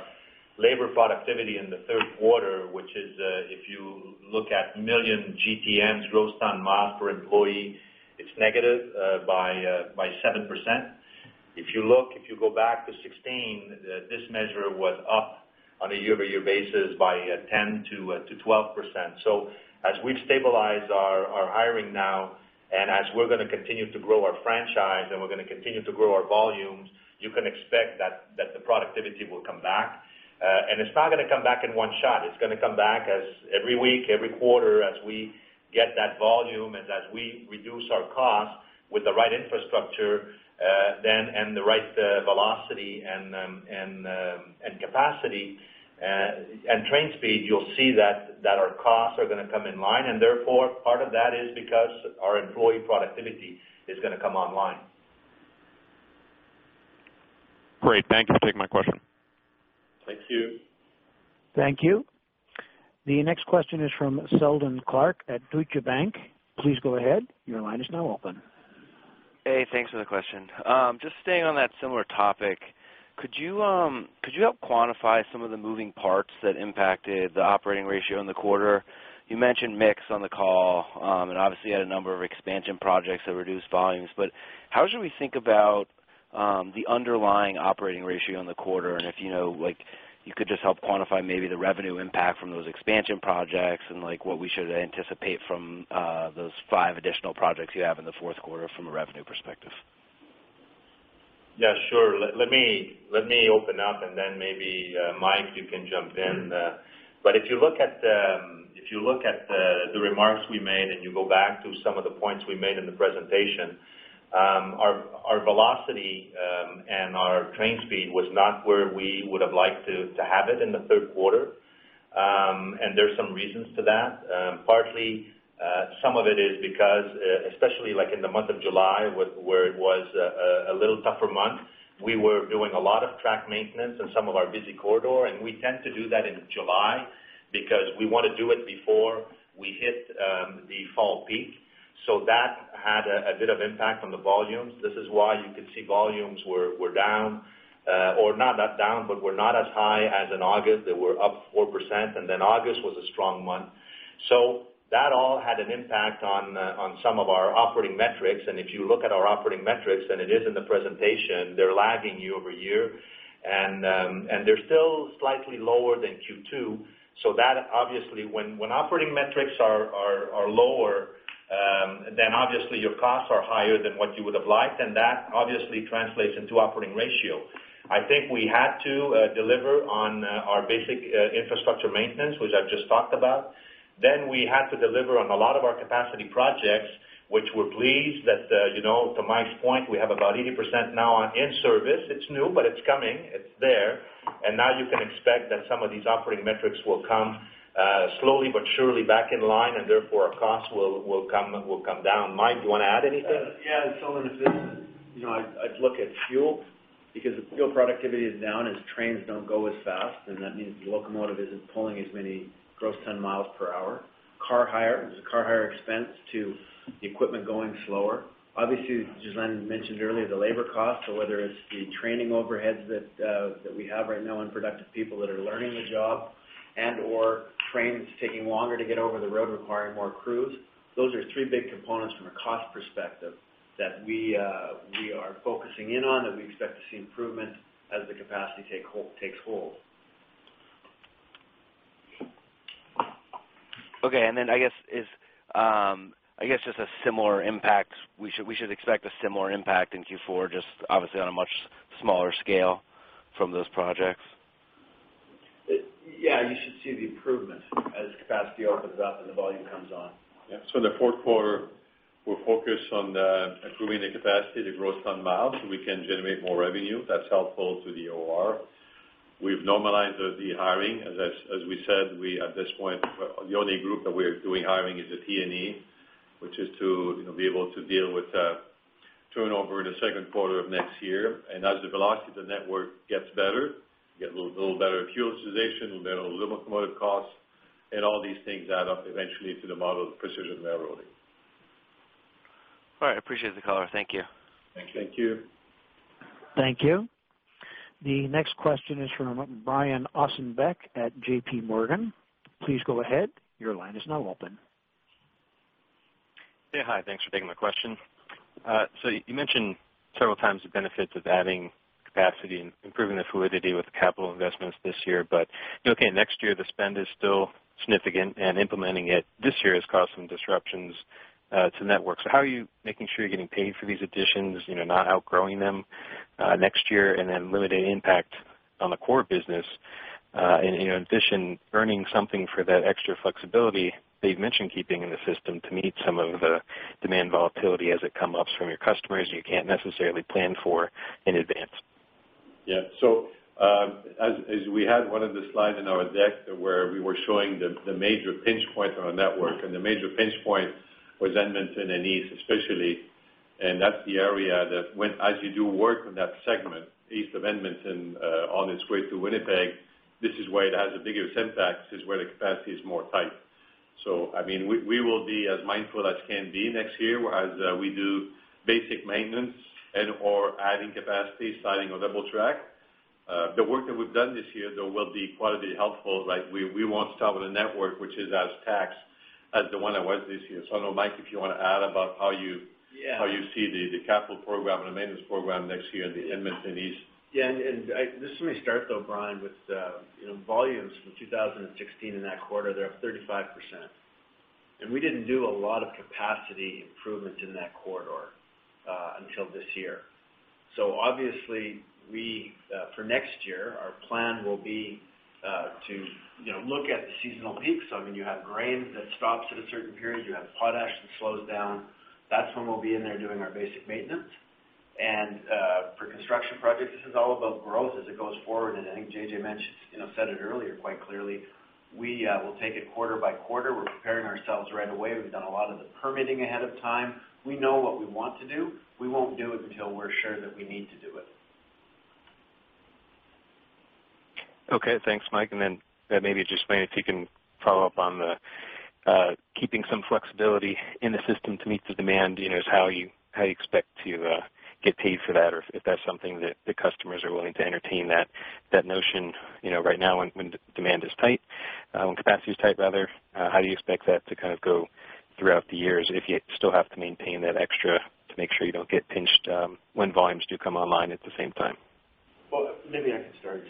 labor productivity in the third quarter, which is if you look at million GTMs, gross ton-miles per employee, it's negative by 7%. If you go back to 2016, this measure was up on a year-over-year basis by 10%-12%. So as we've stabilized our hiring now and as we're going to continue to grow our franchise and we're going to continue to grow our volumes, you can expect that the productivity will come back. And it's not going to come back in one shot. It's going to come back every week, every quarter as we get that volume and as we reduce our costs with the right infrastructure and the right velocity and capacity and train speed, you'll see that our costs are going to come in line. Therefore, part of that is because our employee productivity is going to come online. Great. Thank you for taking my question. Thank you. Thank you. The next question is from Seldon Clarke at Deutsche Bank. Please go ahead. Your line is now open. Hey. Thanks for the question. Just staying on that similar topic, could you help quantify some of the moving parts that impacted the operating ratio in the quarter? You mentioned mix on the call and obviously had a number of expansion projects that reduced volumes. But how should we think about the underlying operating ratio in the quarter? And if you could just help quantify maybe the revenue impact from those expansion projects and what we should anticipate from those 5 additional projects you have in the fourth quarter from a revenue perspective. Yeah. Sure. Let me open up, and then maybe Mike, you can jump in. But if you look at the remarks we made and you go back to some of the points we made in the presentation, our velocity and our train speed was not where we would have liked to have it in the third quarter. And there's some reasons to that. Partly, some of it is because, especially in the month of July, where it was a little tougher month, we were doing a lot of track maintenance in some of our busy corridor. And we tend to do that in July because we want to do it before we hit the fall peak. So that had a bit of impact on the volumes. This is why you could see volumes were down, or not that down, but were not as high as in August. They were up 4%. August was a strong month. That all had an impact on some of our operating metrics. If you look at our operating metrics, and it is in the presentation, they're lagging year-over-year. They're still slightly lower than Q2. So obviously, when operating metrics are lower, then obviously your costs are higher than what you would have liked. That obviously translates into operating ratio. I think we had to deliver on our basic infrastructure maintenance, which I've just talked about. We had to deliver on a lot of our capacity projects, which we're pleased that, to Mike's point, we have about 80% now in service. It's new, but it's coming. It's there. Now you can expect that some of these operating metrics will come slowly but surely back in line, and therefore our costs will come down. Mike, do you want to add anything? Yeah. Seldon. I'd look at fuel because if fuel productivity is down, as trains don't go as fast, and that means the locomotive isn't pulling as many gross ton miles per hour. Car hire, there's a car hire expense to the equipment going slower. Obviously, as Ghislain mentioned earlier, the labor costs, whether it's the training overheads that we have right now, unproductive people that are learning the job, and/or trains taking longer to get over the road requiring more crews. Those are three big components from a cost perspective that we are focusing in on, that we expect to see improvement as the capacity takes hold. Okay. And then I guess just a similar impact. We should expect a similar impact in Q4, just obviously on a much smaller scale from those projects. Yeah. You should see the improvement as capacity opens up and the volume comes on. Yeah. So in the fourth quarter, we're focused on improving the capacity, the gross ton-miles, so we can generate more revenue. That's helpful to the OR. We've normalized the hiring. As we said, at this point, the only group that we're doing hiring is the P&E, which is to be able to deal with turnover in the second quarter of next year. And as the velocity of the network gets better, you get a little better fuel utilization, a little better locomotive costs, and all these things add up eventually to the model of precision railroading. All right. I appreciate the color. Thank you. Thank you. Thank you. The next question is from Brian Ossenbeck at JPMorgan. Please go ahead. Your line is now open. Yeah. Hi. Thanks for taking my question. So you mentioned several times the benefits of adding capacity and improving the fluidity with capital investments this year. But okay, next year, the spend is still significant, and implementing it this year has caused some disruptions to network. So how are you making sure you're getting paid for these additions, not outgrowing them next year, and then limited impact on the core business? And in addition, earning something for that extra flexibility they've mentioned keeping in the system to meet some of the demand volatility as it comes from your customers you can't necessarily plan for in advance. Yeah. So as we had one of the slides in our deck where we were showing the major pinch points on our network, and the major pinch point was Edmonton and east especially. That's the area that, as you do work in that segment, east of Edmonton on its way to Winnipeg, this is where it has the biggest impact. This is where the capacity is more tight. So I mean, we will be as mindful as can be next year, whereas we do basic maintenance and/or adding capacity, starting a double track. The work that we've done this year, though, will be qualitatively helpful, right? We won't start with a network which is as taxed as the one that was this year. I don't know, Mike, if you want to add about how you see the capital program and the maintenance program next year in the Edmonton East. Yeah. And just let me start, though, Brian, with volumes from 2016 in that quarter. They're up 35%. And we didn't do a lot of capacity improvements in that corridor until this year. So obviously, for next year, our plan will be to look at the seasonal peaks. So I mean, you have grain that stops at a certain period. You have potash that slows down. That's when we'll be in there doing our basic maintenance. And for construction projects, this is all about growth as it goes forward. And I think J.J. said it earlier quite clearly. We will take it quarter by quarter. We're preparing ourselves right away. We've done a lot of the permitting ahead of time. We know what we want to do. We won't do it until we're sure that we need to do it. Okay. Thanks, Mike. Then maybe just explain if you can follow up on keeping some flexibility in the system to meet the demand. Is how you expect to get paid for that, or if that's something that the customers are willing to entertain that notion right now when demand is tight, when capacity is tight, rather. How do you expect that to kind of go throughout the years if you still have to maintain that extra to make sure you don't get pinched when volumes do come online at the same time? Well, maybe I can start.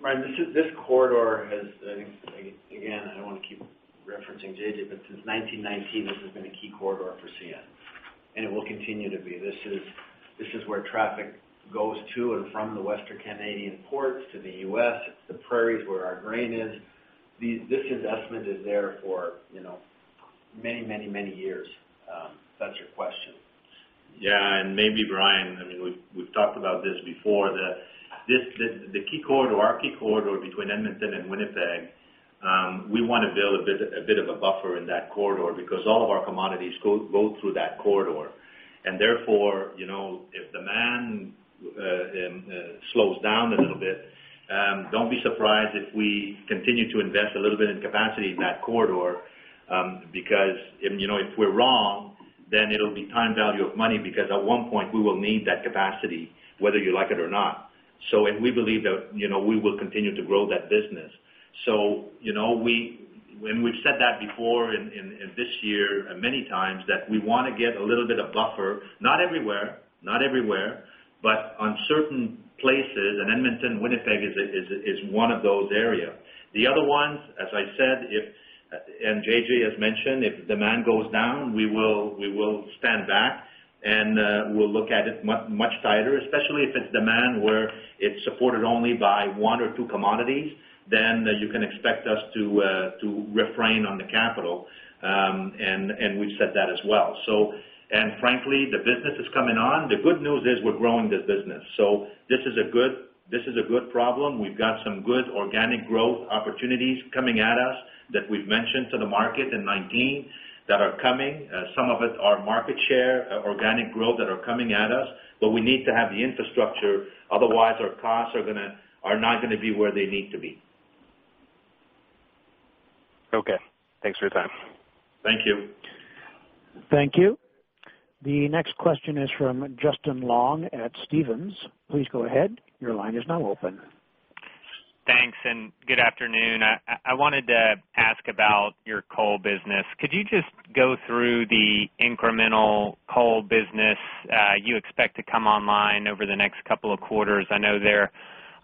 Brian, this corridor has, I think, again, I don't want to keep referencing J.J., but since 1919, this has been a key corridor for CN, and it will continue to be. This is where traffic goes to and from the Western Canadian ports to the U.S. It's the prairies where our grain is. This investment is there for many, many, many years. That's your question. Yeah. Maybe, Brian, I mean, we've talked about this before, that the key corridor, our key corridor between Edmonton and Winnipeg, we want to build a bit of a buffer in that corridor because all of our commodities go through that corridor. And therefore, if demand slows down a little bit, don't be surprised if we continue to invest a little bit in capacity in that corridor because if we're wrong, then it'll be time value of money because at one point, we will need that capacity, whether you like it or not. So we believe that we will continue to grow that business. So we've said that before and this year many times that we want to get a little bit of buffer, not everywhere, not everywhere, but on certain places. And Edmonton, Winnipeg is one of those areas. The other ones, as I said, and J.J.has mentioned, if demand goes down, we will stand back and we'll look at it much tighter, especially if it's demand where it's supported only by one or two commodities, then you can expect us to refrain on the capital. We've said that as well. Frankly, the business is coming on. The good news is we're growing this business. So this is a good problem. We've got some good organic growth opportunities coming at us that we've mentioned to the market in 2019 that are coming. Some of it are market share organic growth that are coming at us. But we need to have the infrastructure. Otherwise, our costs are not going to be where they need to be. Okay. Thanks for your time. Thank you. Thank you. The next question is from Justin Long at Stephens. Please go ahead. Your line is now open. Thanks. Good afternoon. I wanted to ask about your coal business. Could you just go through the incremental coal business you expect to come online over the next couple of quarters? I know there are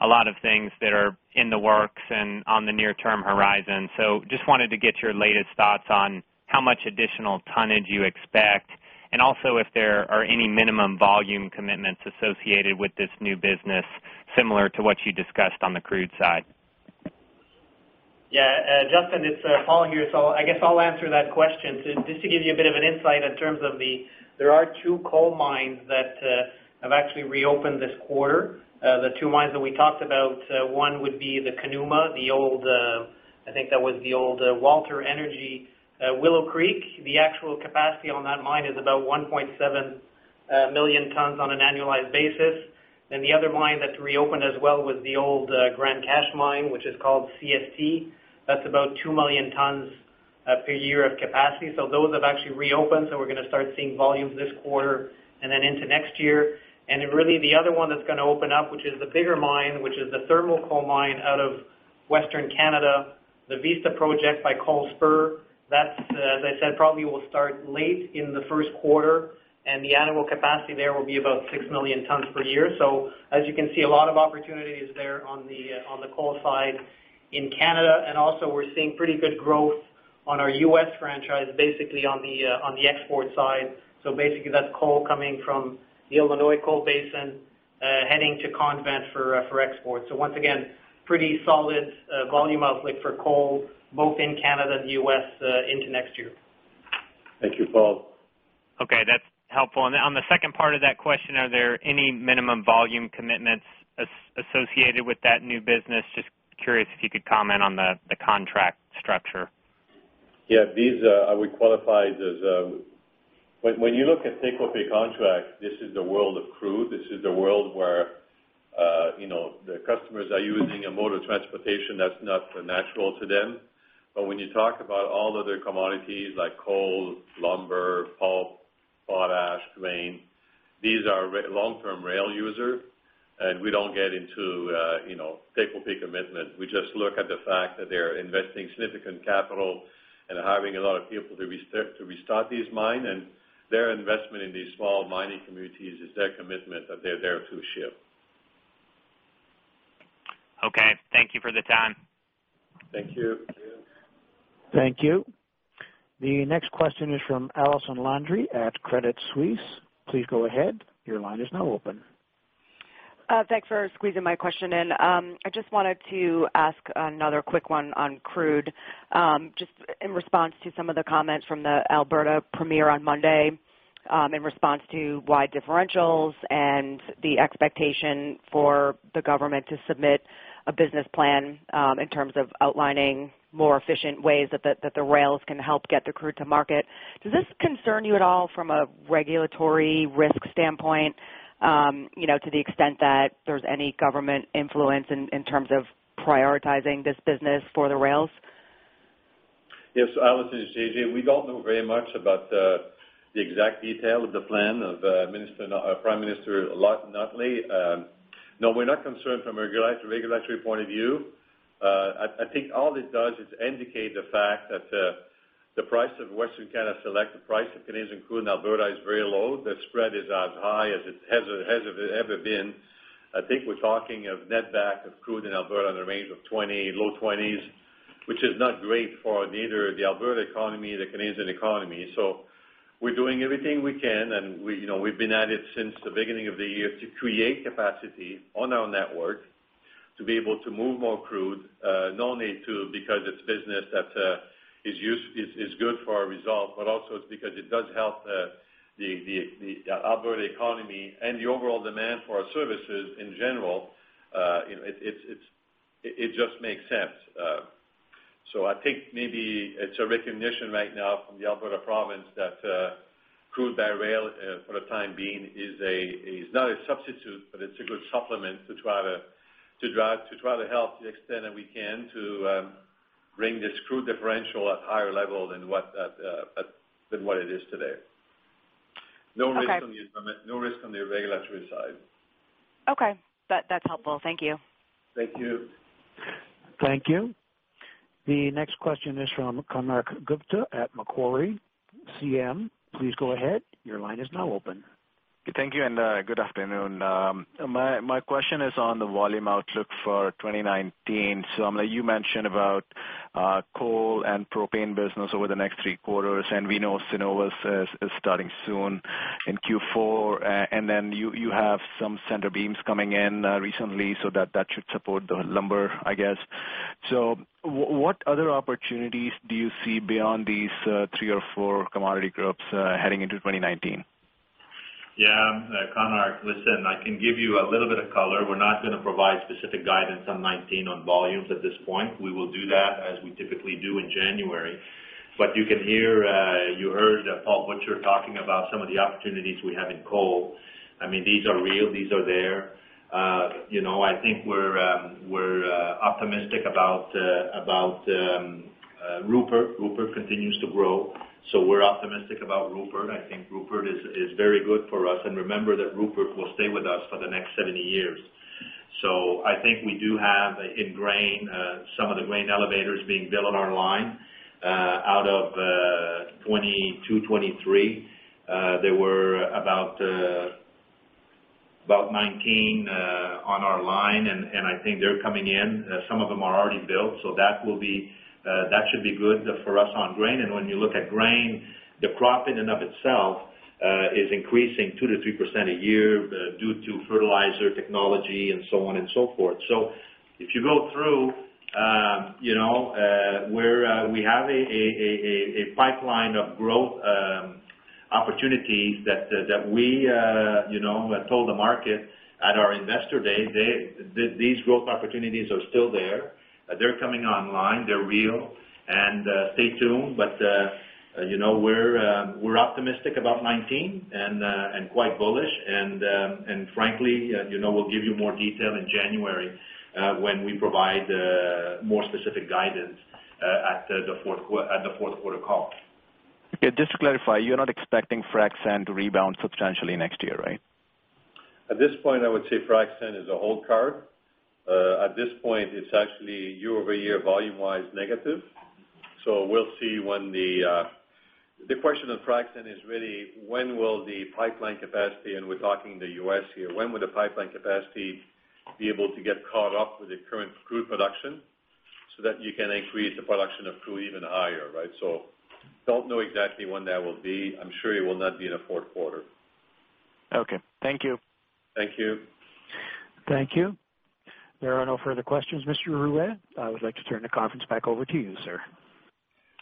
a lot of things that are in the works and on the near-term horizon. Just wanted to get your latest thoughts on how much additional tonnage you expect and also if there are any minimum volume commitments associated with this new business similar to what you discussed on the crude side. Yeah. Justin, it's Paul here. So I guess I'll answer that question. Just to give you a bit of an insight in terms of there are two coal mines that have actually reopened this quarter. The two mines that we talked about, one would be the Conuma, the old I think that was the old Walter Energy Willow Creek. The actual capacity on that mine is about 1.7 million tons on an annualized basis. And the other mine that's reopened as well was the old Grande Cache Mine, which is called CST. That's about 2 million tons per year of capacity. So those have actually reopened. So we're going to start seeing volumes this quarter and then into next year. eAnd really, the other one that's going to open up, which is the bigger mine, which is the thermal coal mine out of Western Canada, the Vista Project by Coalspur, that's, as I said, probably will start late in the first quarter. And the annual capacity there will be about 6 million tons per year. So as you can see, a lot of opportunities there on the coal side in Canada. And also, we're seeing pretty good growth on our U.S. franchise, basically on the export side. So basically, that's coal coming from the Illinois Basin heading to Convent for export. So once again, pretty solid volume outlook for coal both in Canada and the U.S. into next year. Thank you, Paul. Okay. That's helpful. On the second part of that question, are there any minimum volume commitments associated with that new business? Just curious if you could comment on the contract structure. Yeah. These are we qualified as when you look at takeaway contracts, this is the world of crude. This is the world where the customers are using a mode of transportation that's not natural to them. But when you talk about all other commodities like coal, lumber, pulp, potash, grain, these are long-term rail users. And we don't get into takeaway commitment. We just look at the fact that they're investing significant capital and hiring a lot of people to restart these mines. And their investment in these small mining communities is their commitment that they're there to share. Okay. Thank you for the time. Thank you. Thank you. The next question is from Allison Landry at Credit Suisse. Please go ahead. Your line is now open. Thanks for squeezing my question in. I just wanted to ask another quick one on crude, just in response to some of the comments from the Alberta Premier on Monday in response to wide differentials and the expectation for the government to submit a business plan in terms of outlining more efficient ways that the rails can help get the crude to market. Does this concern you at all from a regulatory risk standpoint to the extent that there's any government influence in terms of prioritizing this business for the rails? Yes. Allison and it's J.J., we don't know very much about the exact detail of the plan of Premier Notley. No, we're not concerned from a regulatory point of view. I think all it does is indicate the fact that the price of Western Canada Select, the price of Canadian crude in Alberta is very low. The spread is as high as it has ever been. I think we're talking of netback of crude in Alberta in the range of low $20s, which is not great for neither the Alberta economy nor the Canadian economy. So we're doing everything we can. We've been at it since the beginning of the year to create capacity on our network to be able to move more crude, not only because it's business that is good for our results, but also because it does help the Alberta economy and the overall demand for our services in general. It just makes sense. I think maybe it's a recognition right now from the Alberta province that crude by rail for the time being is not a substitute, but it's a good supplement to try to help to the extent that we can to bring this crude differential at a higher level than what it is today. No risk on the regulatory side. Okay. That's helpful. Thank you. Thank you. Thank you. The next question is from Konark Gupta at Macquarie CM. Please go ahead. Your line is now open. Thank you. And good afternoon. My question is on the volume outlook for 2019. So you mentioned about coal and propane business over the next three quarters. And we know Cenovus is starting soon in Q4. And then you have some centerbeams coming in recently, so that should support the lumber, I guess. So what other opportunities do you see beyond these three or four commodity groups heading into 2019? Yeah. Konark, listen, I can give you a little bit of color. We're not going to provide specific guidance on 2019 on volumes at this point. We will do that as we typically do in January. But you heard Paul Butcher talking about some of the opportunities we have in coal. I mean, these are real. These are there. I think we're optimistic about Rupert. Rupert continues to grow. So we're optimistic about Rupert. I think Rupert is very good for us. And remember that Rupert will stay with us for the next 70 years. So I think we do have in grain some of the grain elevators being built on our line out of 2022, 2023. There were about 19 on our line. And I think they're coming in. Some of them are already built. So that should be good for us on grain. When you look at grain, the crop in and of itself is increasing 2%-3% a year due to fertilizer technology and so on and so forth. If you go through, we have a pipeline of growth opportunities that we told the market at our investor day. These growth opportunities are still there. They're coming online. They're real. Stay tuned. But we're optimistic about 2019 and quite bullish. Frankly, we'll give you more detail in January when we provide more specific guidance at the fourth quarter call. Okay. Just to clarify, you're not expecting frac sand to rebound substantially next year, right? At this point, I would say frac sand is a hold card. At this point, it's actually year-over-year volume-wise negative. So we'll see when the question on frac sand is really when will the pipeline capacity and we're talking the U.S. here when will the pipeline capacity be able to get caught up with the current crude production so that you can increase the production of crude even higher, right? So don't know exactly when that will be. I'm sure it will not be in the fourth quarter. Okay. Thank you. Thank you. Thank you. There are no further questions, Mr. Ruest. I would like to turn the conference back over to you, sir.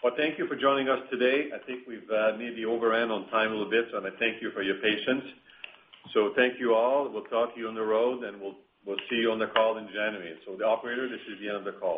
Well, thank you for joining us today. I think we've maybe overran on time a little bit. I thank you for your patience. Thank you all. We'll talk to you on the road. We'll see you on the call in January. The operator, this is the end of the call.